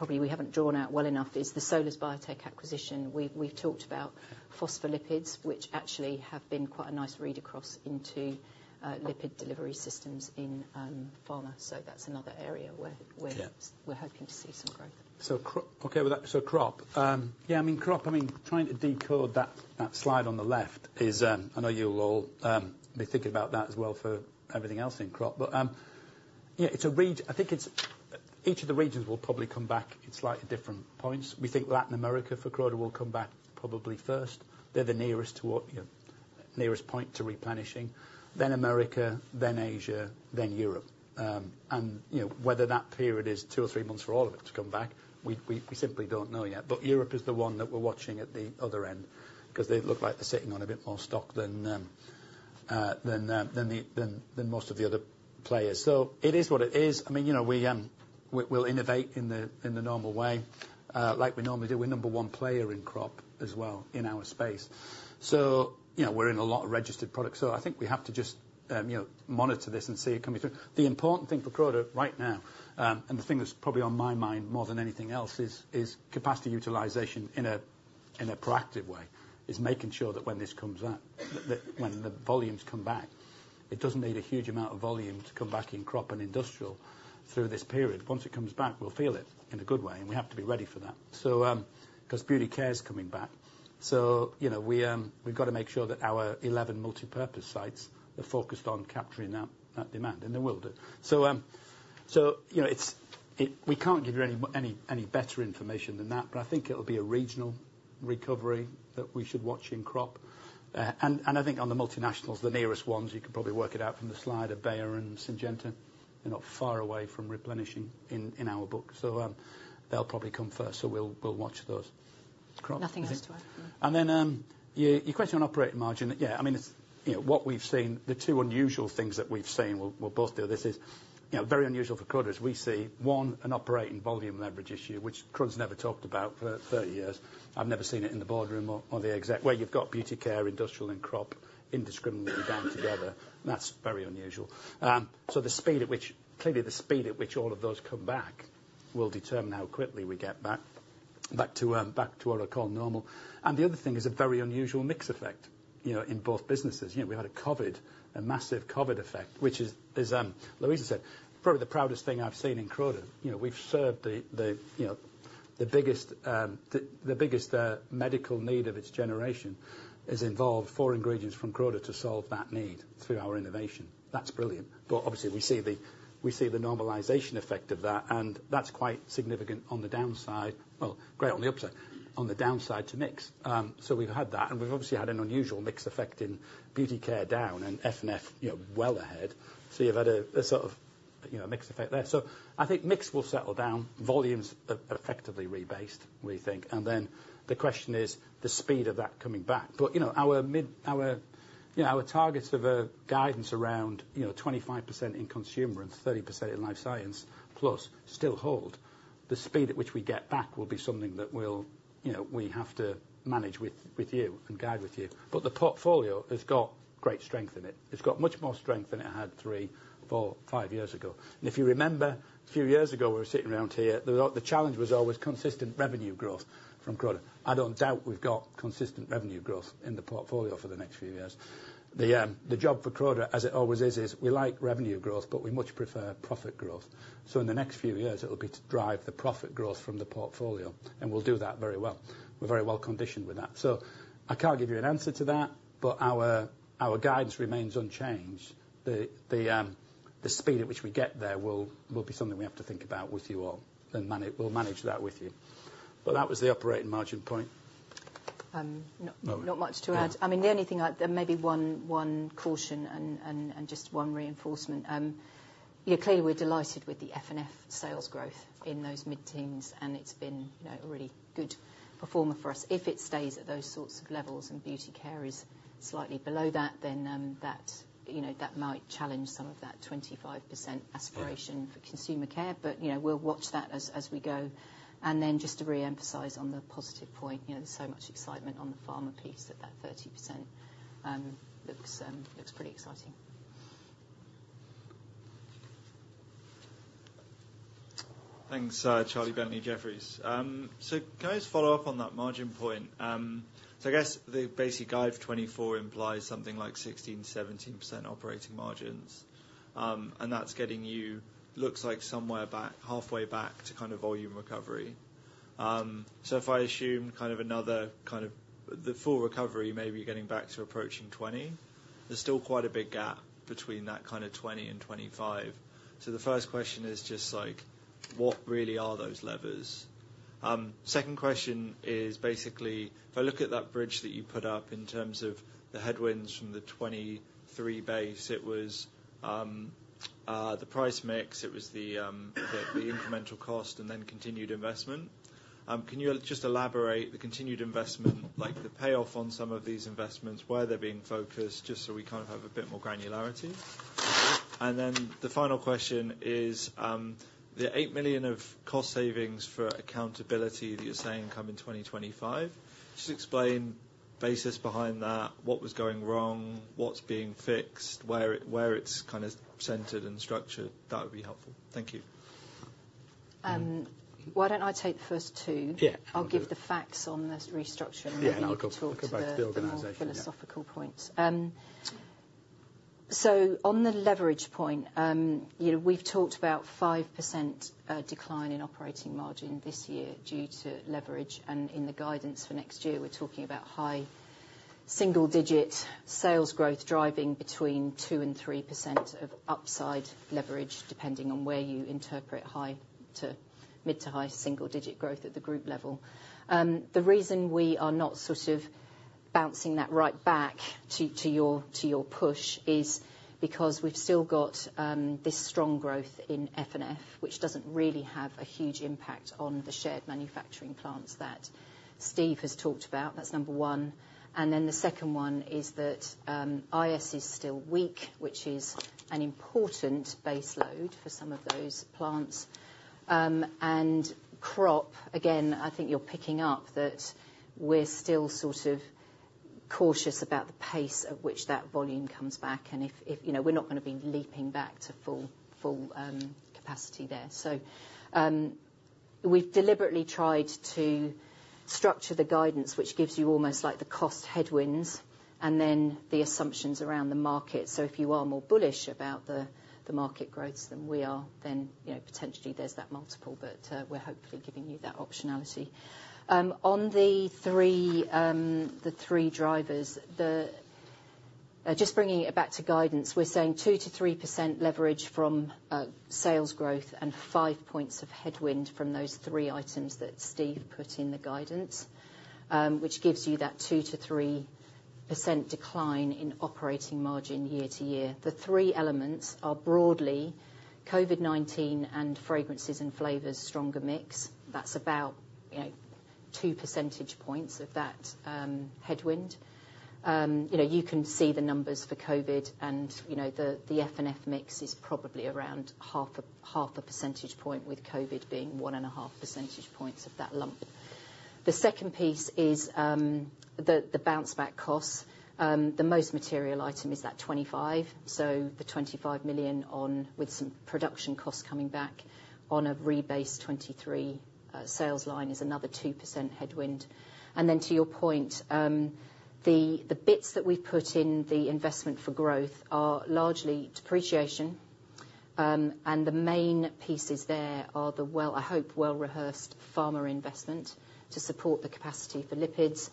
probably we haven't drawn out well enough, is the Solus Biotech acquisition. We've talked about phospholipids, which actually have been quite a nice read across into lipid delivery systems in pharma. So that's another area where we're hoping to see some growth. Okay. So crop. Yeah. I mean, crop, I mean, trying to decode that slide on the left is I know you'll all be thinking about that as well for everything else in crop. But yeah. I think each of the regions will probably come back in slightly different points. We think Latin America for Croda will come back probably first. They're the nearest point to replenishing. Then America, then Asia, then Europe. And whether that period is two or three months for all of it to come back, we simply don't know yet. But Europe is the one that we're watching at the other end because they look like they're sitting on a bit more stock than most of the other players. So it is what it is. I mean, we'll innovate in the normal way like we normally do. We're number one player in crop as well in our space. So we're in a lot of registered products. So I think we have to just monitor this and see it coming through. The important thing for Croda right now, and the thing that's probably on my mind more than anything else, is capacity utilization in a proactive way, is making sure that when this comes back, that when the volumes come back, it doesn't need a huge amount of volume to come back in crop and industrial through this period. Once it comes back, we'll feel it in a good way. We have to be ready for that because Beauty Care's coming back. So we've got to make sure that our 11 multipurpose sites are focused on capturing that demand. And they will do. So we can't give you any better information than that. But I think it'll be a regional recovery that we should watch in crop. And I think on the multinationals, the nearest ones, you can probably work it out from the slide are Bayer and Syngenta. They're not far away from replenishing in our book. So they'll probably come first. So we'll watch those. Crop. Nothing else to add. And then your question on operating margin, yeah. I mean, what we've seen, the two unusual things that we've seen, we'll both do this, is very unusual for Croda is we see, one, an operating volume leverage issue, which Croda's never talked about for 30 years. I've never seen it in the boardroom or the exec where you've got Beauty Care, industrial, and crop indiscriminately down together. That's very unusual. So clearly, the speed at which all of those come back will determine how quickly we get back to what I call normal. And the other thing is a very unusual mix effect in both businesses. We've had a massive COVID effect, which is, as Louisa said, probably the proudest thing I've seen in Croda. We've served the biggest medical need of its generation. It involved four ingredients from Croda to solve that need through our innovation. That's brilliant. But obviously, we see the normalization effect of that. And that's quite significant on the downside. Well, great on the upside, on the downside to mix. So we've had that. And we've obviously had an unusual mix effect in Beauty Care down and F&F well ahead. So you've had a sort of mix effect there. So I think mix will settle down. Volumes are effectively rebased, we think. And then the question is the speed of that coming back. But our targets of guidance around 25% in consumer and 30% in Life Sciences plus still hold. The speed at which we get back will be something that we have to manage with you and guide with you. But the portfolio has got great strength in it. It's got much more strength than it had three, four, five years ago. And if you remember, a few years ago, we were sitting around here. The challenge was always consistent revenue growth from Croda. I don't doubt we've got consistent revenue growth in the portfolio for the next few years. The job for Croda, as it always is, is we like revenue growth, but we much prefer profit growth. So in the next few years, it'll be to drive the profit growth from the portfolio. And we'll do that very well. We're very well conditioned with that. So I can't give you an answer to that. But our guidance remains unchanged. The speed at which we get there will be something we have to think about with you all. And we'll manage that with you. But that was the operating margin point. Not much to add. I mean, the only thing maybe one caution and just one reinforcement. Clearly, we're delighted with the F&F sales growth in those mid-teens. And it's been a really good performer for us. If it stays at those sorts of levels and Beauty Care is slightly below that, then that might challenge some of that 25% aspiration for Consumer Care. But we'll watch that as we go. And then just to reemphasise on the positive point, there's so much excitement on the pharma piece that that 30% looks pretty exciting. Thanks, Charlie Bentley, Jefferies. So can I just follow up on that margin point? So I guess the basic guide for 2024 implies something like 16%-17% operating margins. And that's getting you, looks like, somewhere halfway back to kind of volume recovery. So if I assume kind of another kind of the full recovery, maybe you're getting back to approaching 20. There's still quite a big gap between that kind of 20% and 25%. So the first question is just like, what really are those levers? Second question is basically, if I look at that bridge that you put up in terms of the headwinds from the 2023 base, it was the price mix. It was the incremental cost and then continued investment. Can you just elaborate the continued investment, the payoff on some of these investments, where they're being focused just so we kind of have a bit more granularity? And then the final question is the 8 million of cost savings for accountability that you're saying come in 2025. Just explain basis behind that, what was going wrong, what's being fixed, where it's kind of centred and structured. That would be helpful. Thank you. Why don't I take the first two? I'll give the facts on this restructure and then we'll talk more philosophical points. Yeah. I'll come back to the organisation. So on the leverage point, we've talked about 5% decline in operating margin this year due to leverage. And in the guidance for next year, we're talking about high single-digit sales growth driving between 2%-3% of upside leverage depending on where you interpret high to mid to high single-digit growth at the group level. The reason we are not sort of bouncing that right back to your push is because we've still got this strong growth in F&F, which doesn't really have a huge impact on the shared manufacturing plants that Steve has talked about. That's number one. And then the second one is that IS is still weak, which is an important baseload for some of those plants. And crop, again, I think you're picking up that we're still sort of cautious about the pace at which that volume comes back. And we're not going to be leaping back to full capacity there. So we've deliberately tried to structure the guidance, which gives you almost like the cost headwinds and then the assumptions around the market. So if you are more bullish about the market growths than we are, then potentially, there's that multiple. But we're hopefully giving you that optionality. On the three drivers, just bringing it back to guidance, we're saying 2%-3% leverage from sales growth and five points of headwind from those three items that Steve put in the guidance, which gives you that 2%-3% decline in operating margin year-over-year. The three elements are broadly COVID-19 and fragrances and flavors stronger mix. That's about two percentage points of that headwind. You can see the numbers for COVID. And the F&F mix is probably around half a percentage point with COVID being one and a half percentage points of that lump. The second piece is the bounce-back costs. The most material item is that 25 million. So the 25 million with some production costs coming back on a rebased 2023 sales line is another 2% headwind. And then to your point, the bits that we've put in the investment for growth are largely depreciation. And the main pieces there are the, I hope, well-rehearsed pharma investment to support the capacity for lipids.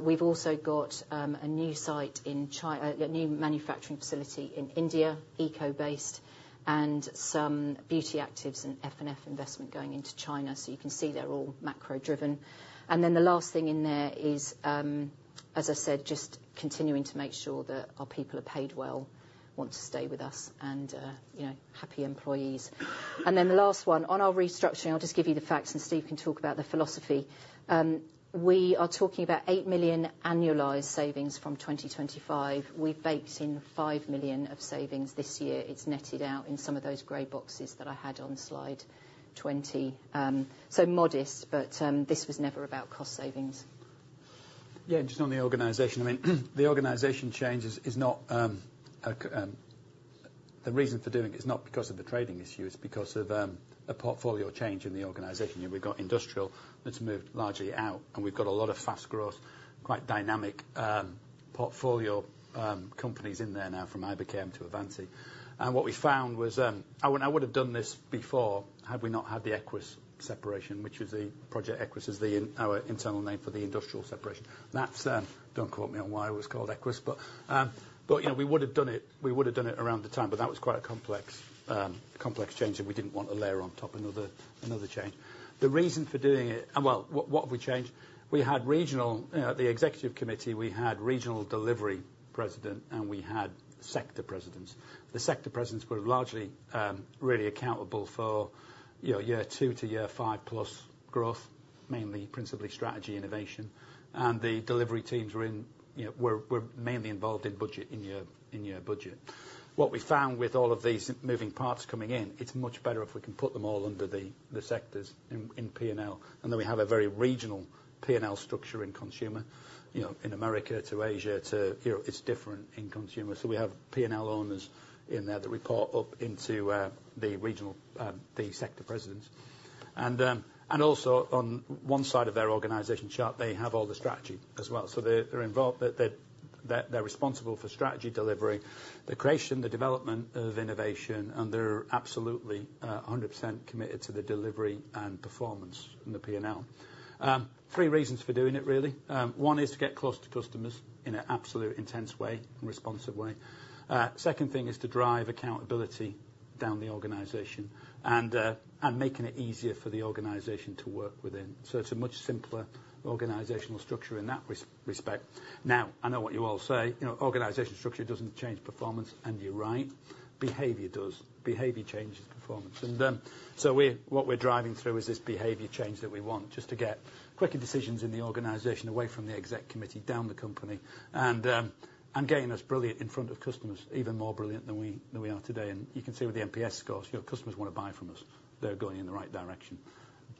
We've also got a new site in a new manufacturing facility in India, ECO-based, and some Beauty Actives and F&F investment going into China. So you can see they're all macro-driven. And then the last thing in there is, as I said, just continuing to make sure that our people are paid well, want to stay with us, and happy employees. And then the last one, on our restructuring, I'll just give you the facts. And Steve can talk about the philosophy. We are talking about 8 million annualized savings from 2025. We've baked in 5 million of savings this year. It's netted out in some of those grey boxes that I had on slide 20. So modest. But this was never about cost savings. Yeah. And just on the organization, I mean, the organization change is not the reason for doing it is not because of the trading issue. It's because of a portfolio change in the organization. We've got industrial that's moved largely out. And we've got a lot of fast growth, quite dynamic portfolio companies in there now from Iberchem to Avanti. And what we found was I would have done this before had we not had the Equus separation, which was the project Equus is our internal name for the industrial separation. Don't quote me on why it was called Equus. But we would have done it. We would have done it around the time. But that was quite a complex change. We didn't want a layer on top, another change. The reason for doing it well, what have we changed? At the executive committee, we had regional delivery president. We had sector presidents. The sector presidents were largely really accountable for year two to year five-plus growth, mainly principally strategy innovation. The delivery teams were mainly involved in year budget. What we found with all of these moving parts coming in, it's much better if we can put them all under the sectors in P&L. Then we have a very regional P&L structure in consumer, in America to Asia to Europe. It's different in consumer. So we have P&L owners in there that report up into the sector presidents. Also, on one side of their organization chart, they have all the strategy as well. So they're responsible for strategy delivery, the creation, the development of innovation. They're absolutely 100% committed to the delivery and performance in the P&L. Three reasons for doing it, really. One is to get close to customers in an absolute intense way, responsive way. Second thing is to drive accountability down the organization and making it easier for the organization to work within. So it's a much simpler organizational structure in that respect. Now, I know what you all say. Organization structure doesn't change performance. And you're right. Behavior does. Behavior changes performance. And so what we're driving through is this behavior change that we want just to get quicker decisions in the organization away from the exec committee, down the company, and getting us brilliant in front of customers, even more brilliant than we are today. And you can see with the NPS scores, customers want to buy from us. They're going in the right direction.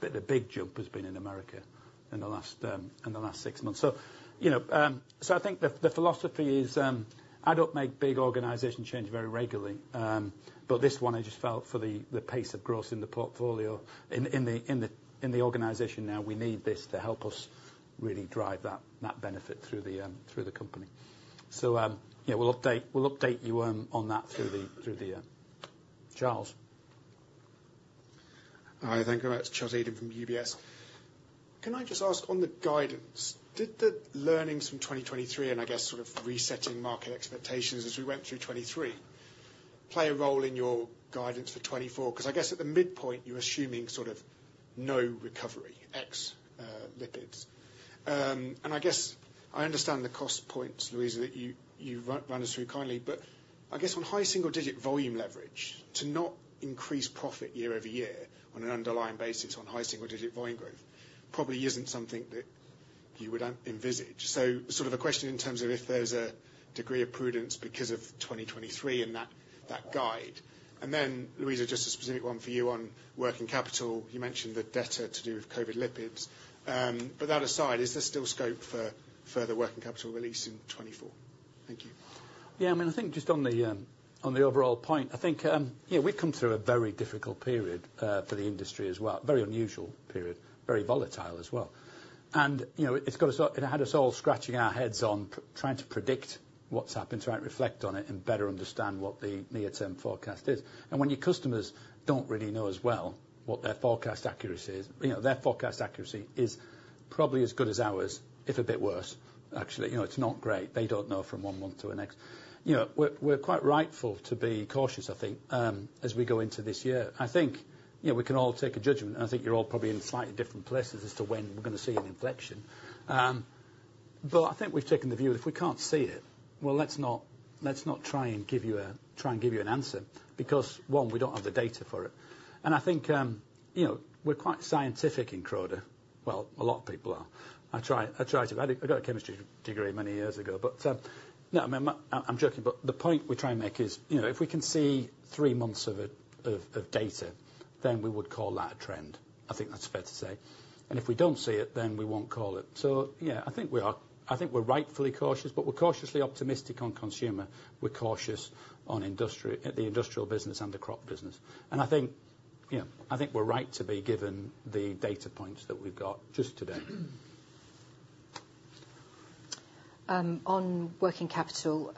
The big jump has been in America in the last six months. So I think the philosophy is, "Adults make big organization change very regularly." But this one, I just felt for the pace of growth in the portfolio in the organization now, we need this to help us really drive that benefit through the company. So we'll update you on that through Charles. Hi. Thank you very much. Charles Eden from UBS. Can I just ask, on the guidance, did the learnings from 2023 and, I guess, sort of resetting market expectations as we went through 2023 play a role in your guidance for 2024? Because I guess at the midpoint, you're assuming sort of no recovery, ex-lipids. And I guess I understand the cost points, Louisa, that you've run us through kindly. But I guess on high single-digit volume leverage, to not increase profit year over year on an underlying basis on high single-digit volume growth probably isn't something that you would envisage. So sort of a question in terms of if there's a degree of prudence because of 2023 in that guide. And then, Louisa, just a specific one for you on working capital. You mentioned the debtor to do with COVID lipids. But that aside, is there still scope for further working capital release in 2024? Thank you. Yeah. I mean, I think just on the overall point, I think we've come through a very difficult period for the industry as well, very unusual period, very volatile as well. And it had us all scratching our heads on trying to predict what's happened, trying to reflect on it, and better understand what the near-term forecast is. And when your customers don't really know as well what their forecast accuracy is, their forecast accuracy is probably as good as ours, if a bit worse, actually. It's not great. They don't know from one month to the next. We're quite right to be cautious, I think, as we go into this year. I think we can all take a judgment. And I think you're all probably in slightly different places as to when we're going to see an inflection. But I think we've taken the view that if we can't see it, well, let's not try and give you an answer because, one, we don't have the data for it. And I think we're quite scientific in Croda. Well, a lot of people are. I try to. I got a chemistry degree many years ago. But no. I mean, I'm joking. But the point we try and make is if we can see three months of data, then we would call that a trend. I think that's fair to say. And if we don't see it, then we won't call it. So yeah, I think we're rightfully cautious. But we're cautiously optimistic on consumer. We're cautious on the industrial business and the crop business. And I think we're right to be given the data points that we've got just today. On working capital,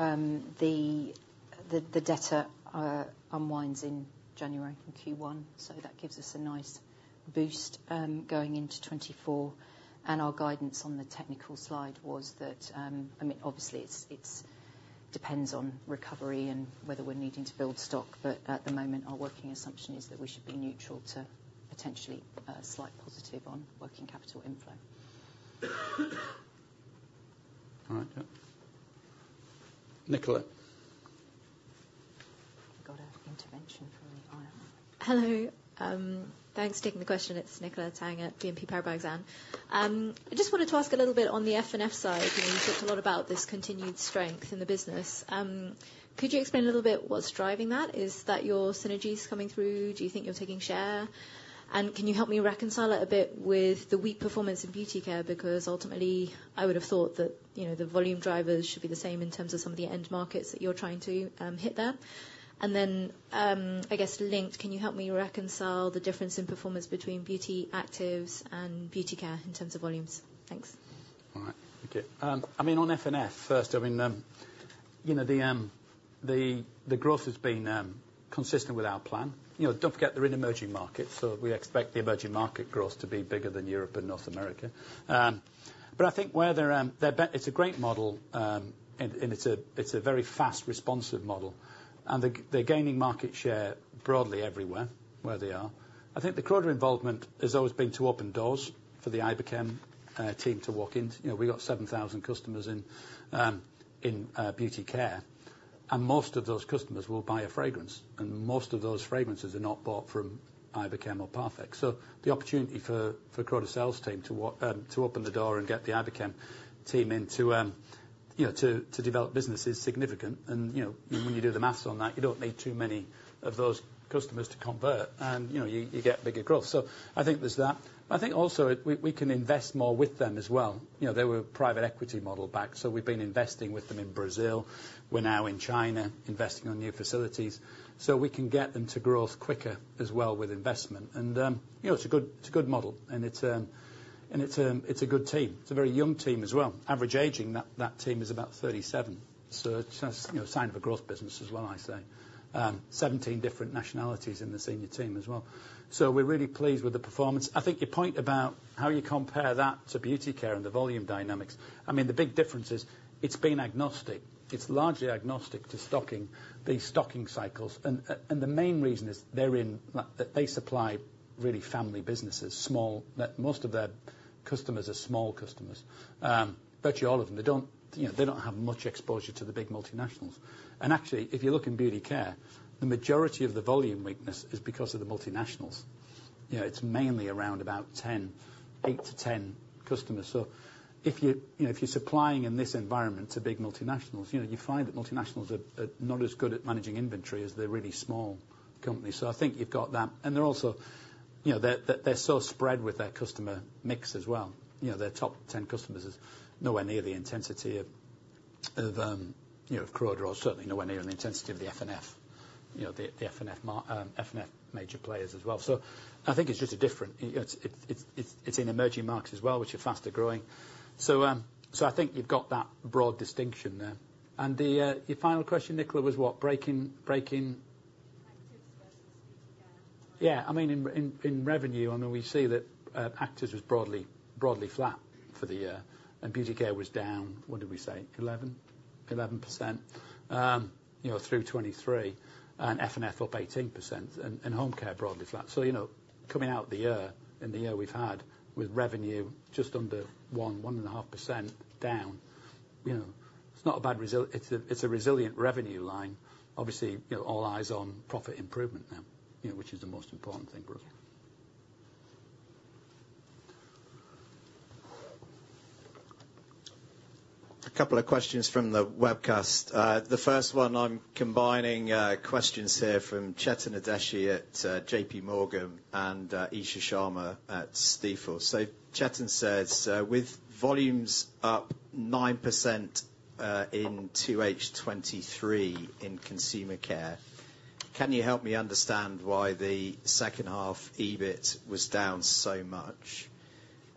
the debtor unwinds in January in Q1. So that gives us a nice boost going into 2024. And our guidance on the technical slide was that I mean, obviously, it depends on recovery and whether we're needing to build stock. But at the moment, our working assumption is that we should be neutral to potentially slight positive on working capital inflow. All right Nicola. Hello. Thanks for taking the question. It's Nicola Tang at BNP Paribas, I just wanted to ask a little bit on the F&F side. You talked a lot about this continued strength in the business. Could you explain a little bit what's driving that? Is that your synergies coming through? Do you think you're taking share? And can you help me reconcile it a bit with the weak performance in Beauty Care? Because ultimately, I would have thought that the volume drivers should be the same in terms of some of the end markets that you're trying to hit there. And then, I guess, linked, can you help me reconcile the difference in performance between Beauty Actives and Beauty Care in terms of volumes? Thanks. All right. Okay. I mean, on F&F, first, I mean, the growth has been consistent with our plan. Don't forget they're in emerging markets. So we expect the emerging market growth to be bigger than Europe and North America. But I think where they're it's a great model. And it's a very fast, responsive model. And they're gaining market share broadly everywhere where they are. I think the Croda involvement has always been to open doors for the Iberchem team to walk in. We've got 7,000 customers in Beauty Care. And most of those customers will buy a fragrance. And most of those fragrances are not bought from Iberchem or Parfex. So the opportunity for Croda's sales team to open the door and get the Iberchem team in to develop business is significant. And when you do the math on that, you don't need too many of those customers to convert. You get bigger growth. I think there's that. But I think also, we can invest more with them as well. They were a private equity model back. We've been investing with them in Brazil. We're now in China, investing on new facilities. We can get them to growth quicker as well with investment. It's a good model. It's a good team. It's a very young team as well. Average aging, that team is about 37. It's a sign of a growth business as well, I say. 17 different nationalities in the senior team as well. We're really pleased with the performance. I think your point about how you compare that to Beauty Care and the volume dynamics. I mean, the big difference is it's been agnostic. It's largely agnostic to these stocking cycles. And the main reason is they supply really family businesses. Most of their customers are small customers, virtually all of them. They don't have much exposure to the big multinationals. And actually, if you look in Beauty Care, the majority of the volume weakness is because of the multinationals. It's mainly around about 8-10 customers. So if you're supplying in this environment to big multinationals, you find that multinationals are not as good at managing inventory as they're really small companies. So I think you've got that. And they're also so spread with their customer mix as well. Their top 10 customers is nowhere near the intensity of Croda or certainly nowhere near the intensity of the F&F, the F&F major players as well. So I think it's just a different in emerging markets as well, which are faster growing. So I think you've got that broad distinction there. And your final question, Nicola, was what? Breaking? Trying to discuss this Beauty Care. Yeah. I mean, in revenue, I mean, we see that actives was broadly flat for the and Beauty Care was down, what did we say, 11% through 2023, and F&F up 18%. And home care broadly flat. So coming out of the year in the year we've had with revenue just under 1.5% down, it's not a bad it's a resilient revenue line. Obviously, all eyes on profit improvement now, which is the most important thing for us. A couple of questions from the webcast. The first one, I'm combining questions here from Chetan Udeshi at JP Morgan and Isha Sharma at Stifel. So Chetan says, "With volumes up 9% in 2H23 in Consumer Care, can you help me understand why the second-half EBIT was down so much?"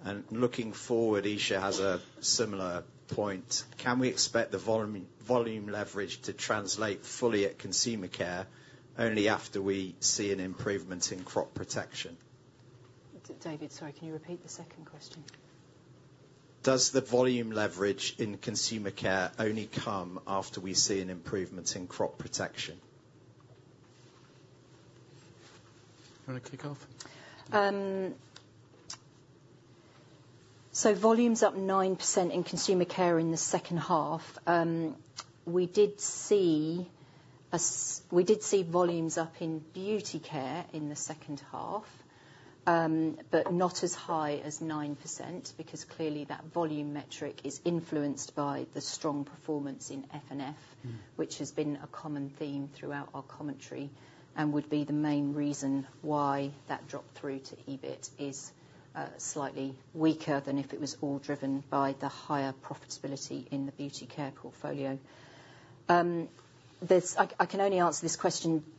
And looking forward, Isha has a similar point. "Can we expect the volume leverage to translate fully at Consumer Care only after we see an improvement in Crop Protection?" David, sorry. Can you repeat the second question? "Does the volume leverage in Consumer Care only come after we see an improvement in Crop Protection?" Do you want to kick off? So volumes up 9% in Consumer Care in the second half. We did see volumes up in Beauty Care in the second half but not as high as 9% because clearly, that volume metric is influenced by the strong performance in F&F, which has been a common theme throughout our commentary and would be the main reason why that drop through to EBIT is slightly weaker than if it was all driven by the higher profitability in the Beauty Care portfolio. I can only answer this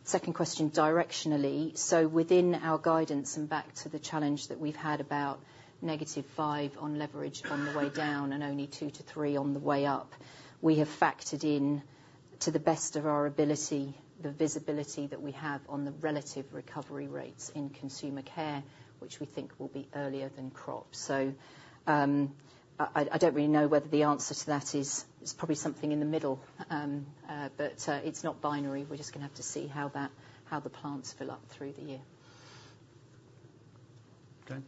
second question directionally. So within our guidance and back to the challenge that we've had about -5% on leverage on the way down and only 2%-3% on the way up, we have factored in, to the best of our ability, the visibility that we have on the relative recovery rates in Consumer Care, which we think will be earlier than crop. So I don't really know whether the answer to that is it's probably something in the middle. But it's not binary. We're just going to have to see how the plants fill up through the year. Okay.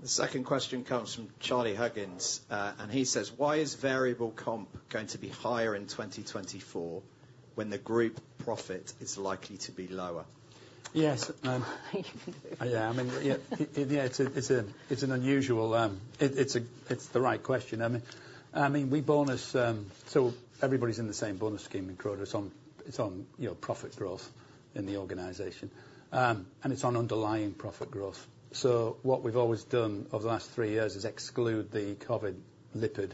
The second question comes from Charlie Huggins. And he says, "Why is variable comp going to be higher in 2024 when the group profit is likely to be lower?" Yes You can do it. Yeah. I mean, yeah, it's an unusual it's the right question. I mean, we bonus so everybody's in the same bonus scheme in Croda. It's on profit growth in the organization. And it's on underlying profit growth. So what we've always done over the last three years is exclude the COVID lipid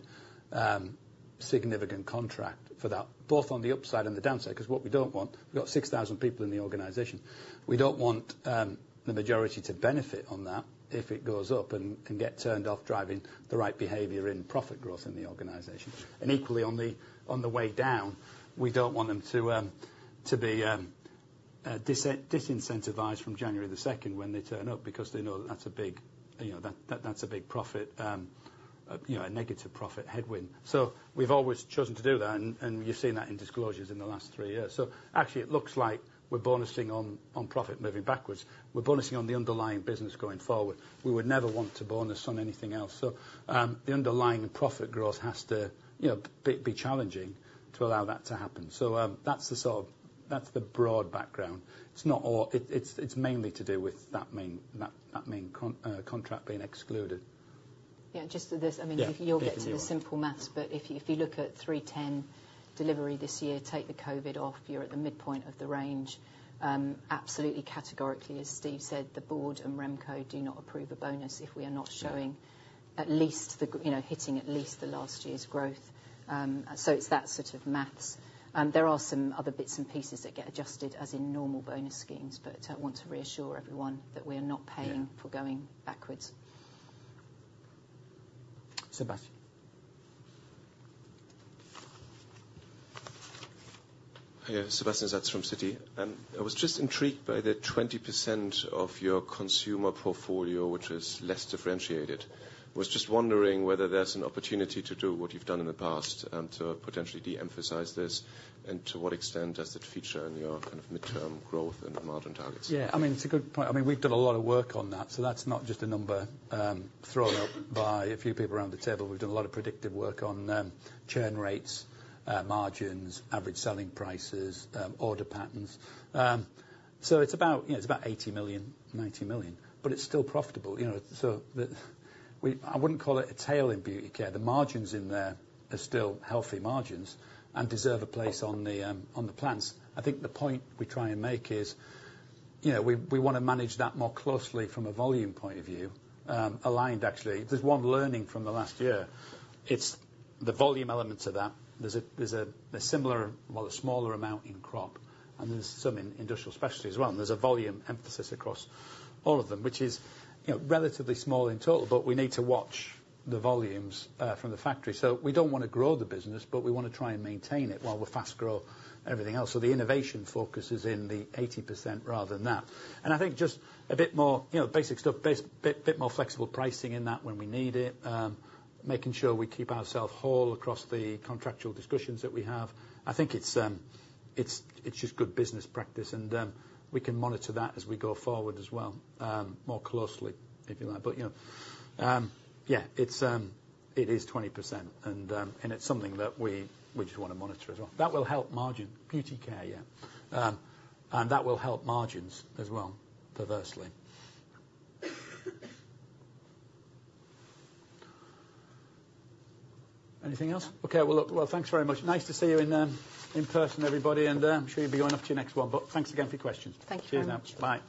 significant contract for that, both on the upside and the downside because what we don't want we've got 6,000 people in the organization. We don't want the majority to benefit on that if it goes up and get turned off driving the right behavior in profit growth in the organization. And equally, on the way down, we don't want them to be disincentivized from January 2nd when they turn up because they know that that's a big that's a big profit, a negative profit headwind. So we've always chosen to do that. And you've seen that in disclosures in the last three years. So actually, it looks like we're bonusing on profit moving backwards. We're bonusing on the underlying business going forward. We would never want to bonus on anything else. So the underlying profit growth has to be challenging to allow that to happen. So that's the sort of that's the broad background. It's mainly to do with that main contract being excluded. Yeah. Just to this I mean, you'll get to the simple math. But if you look at 310 million delivery this year, take the COVID off, you're at the midpoint of the range. Absolutely, categorically, as Steve said, the board and Remco do not approve a bonus if we are not showing at least the hitting at least the last year's growth. So it's that sort of math. There are some other bits and pieces that get adjusted as in normal bonus schemes. But I want to reassure everyone that we are not paying for going backwards. Sebastian. Yeah. Sebastian Satz from Citi. I was just intrigued by the 20% of your consumer portfolio, which is less differentiated. I was just wondering whether there's an opportunity to do what you've done in the past to potentially de-emphasize this and to what extent does it feature in your kind of midterm growth and margin targets? Yeah. I mean, it's a good point. I mean, we've done a lot of work on that. So that's not just a number thrown up by a few people around the table. We've done a lot of predictive work on churn rates, margins, average selling prices, order patterns. So it's about 80 million-90 million. But it's still profitable. So I wouldn't call it a tail in Beauty Care. The margins in there are still healthy margins and deserve a place on the plants. I think the point we try and make is we want to manage that more closely from a volume point of view, aligned, actually. There's one learning from the last year. It's the volume elements of that. There's a similar well, a smaller amount in crop. And there's some in Industrial Specialties as well. And there's a volume emphasis across all of them, which is relatively small in total. But we need to watch the volumes from the factory. So we don't want to grow the business. But we want to try and maintain it while we fast-grow everything else. So the innovation focus is in the 80% rather than that. And I think just a bit more basic stuff, a bit more flexible pricing in that when we need it, making sure we keep ourselves whole across the contractual discussions that we have. I think it's just good business practice. And we can monitor that as we go forward as well, more closely, if you like. But yeah, it is 20%. And it's something that we just want to monitor as well. That will help margin, Beauty Care, yeah. And that will help margins as well, perversely. Anything else? Okay. Well, thanks very much. Nice to see you in person, everybody. And I'm sure you'll be going off to your next one. But thanks again for your questions. Cheers now. Bye.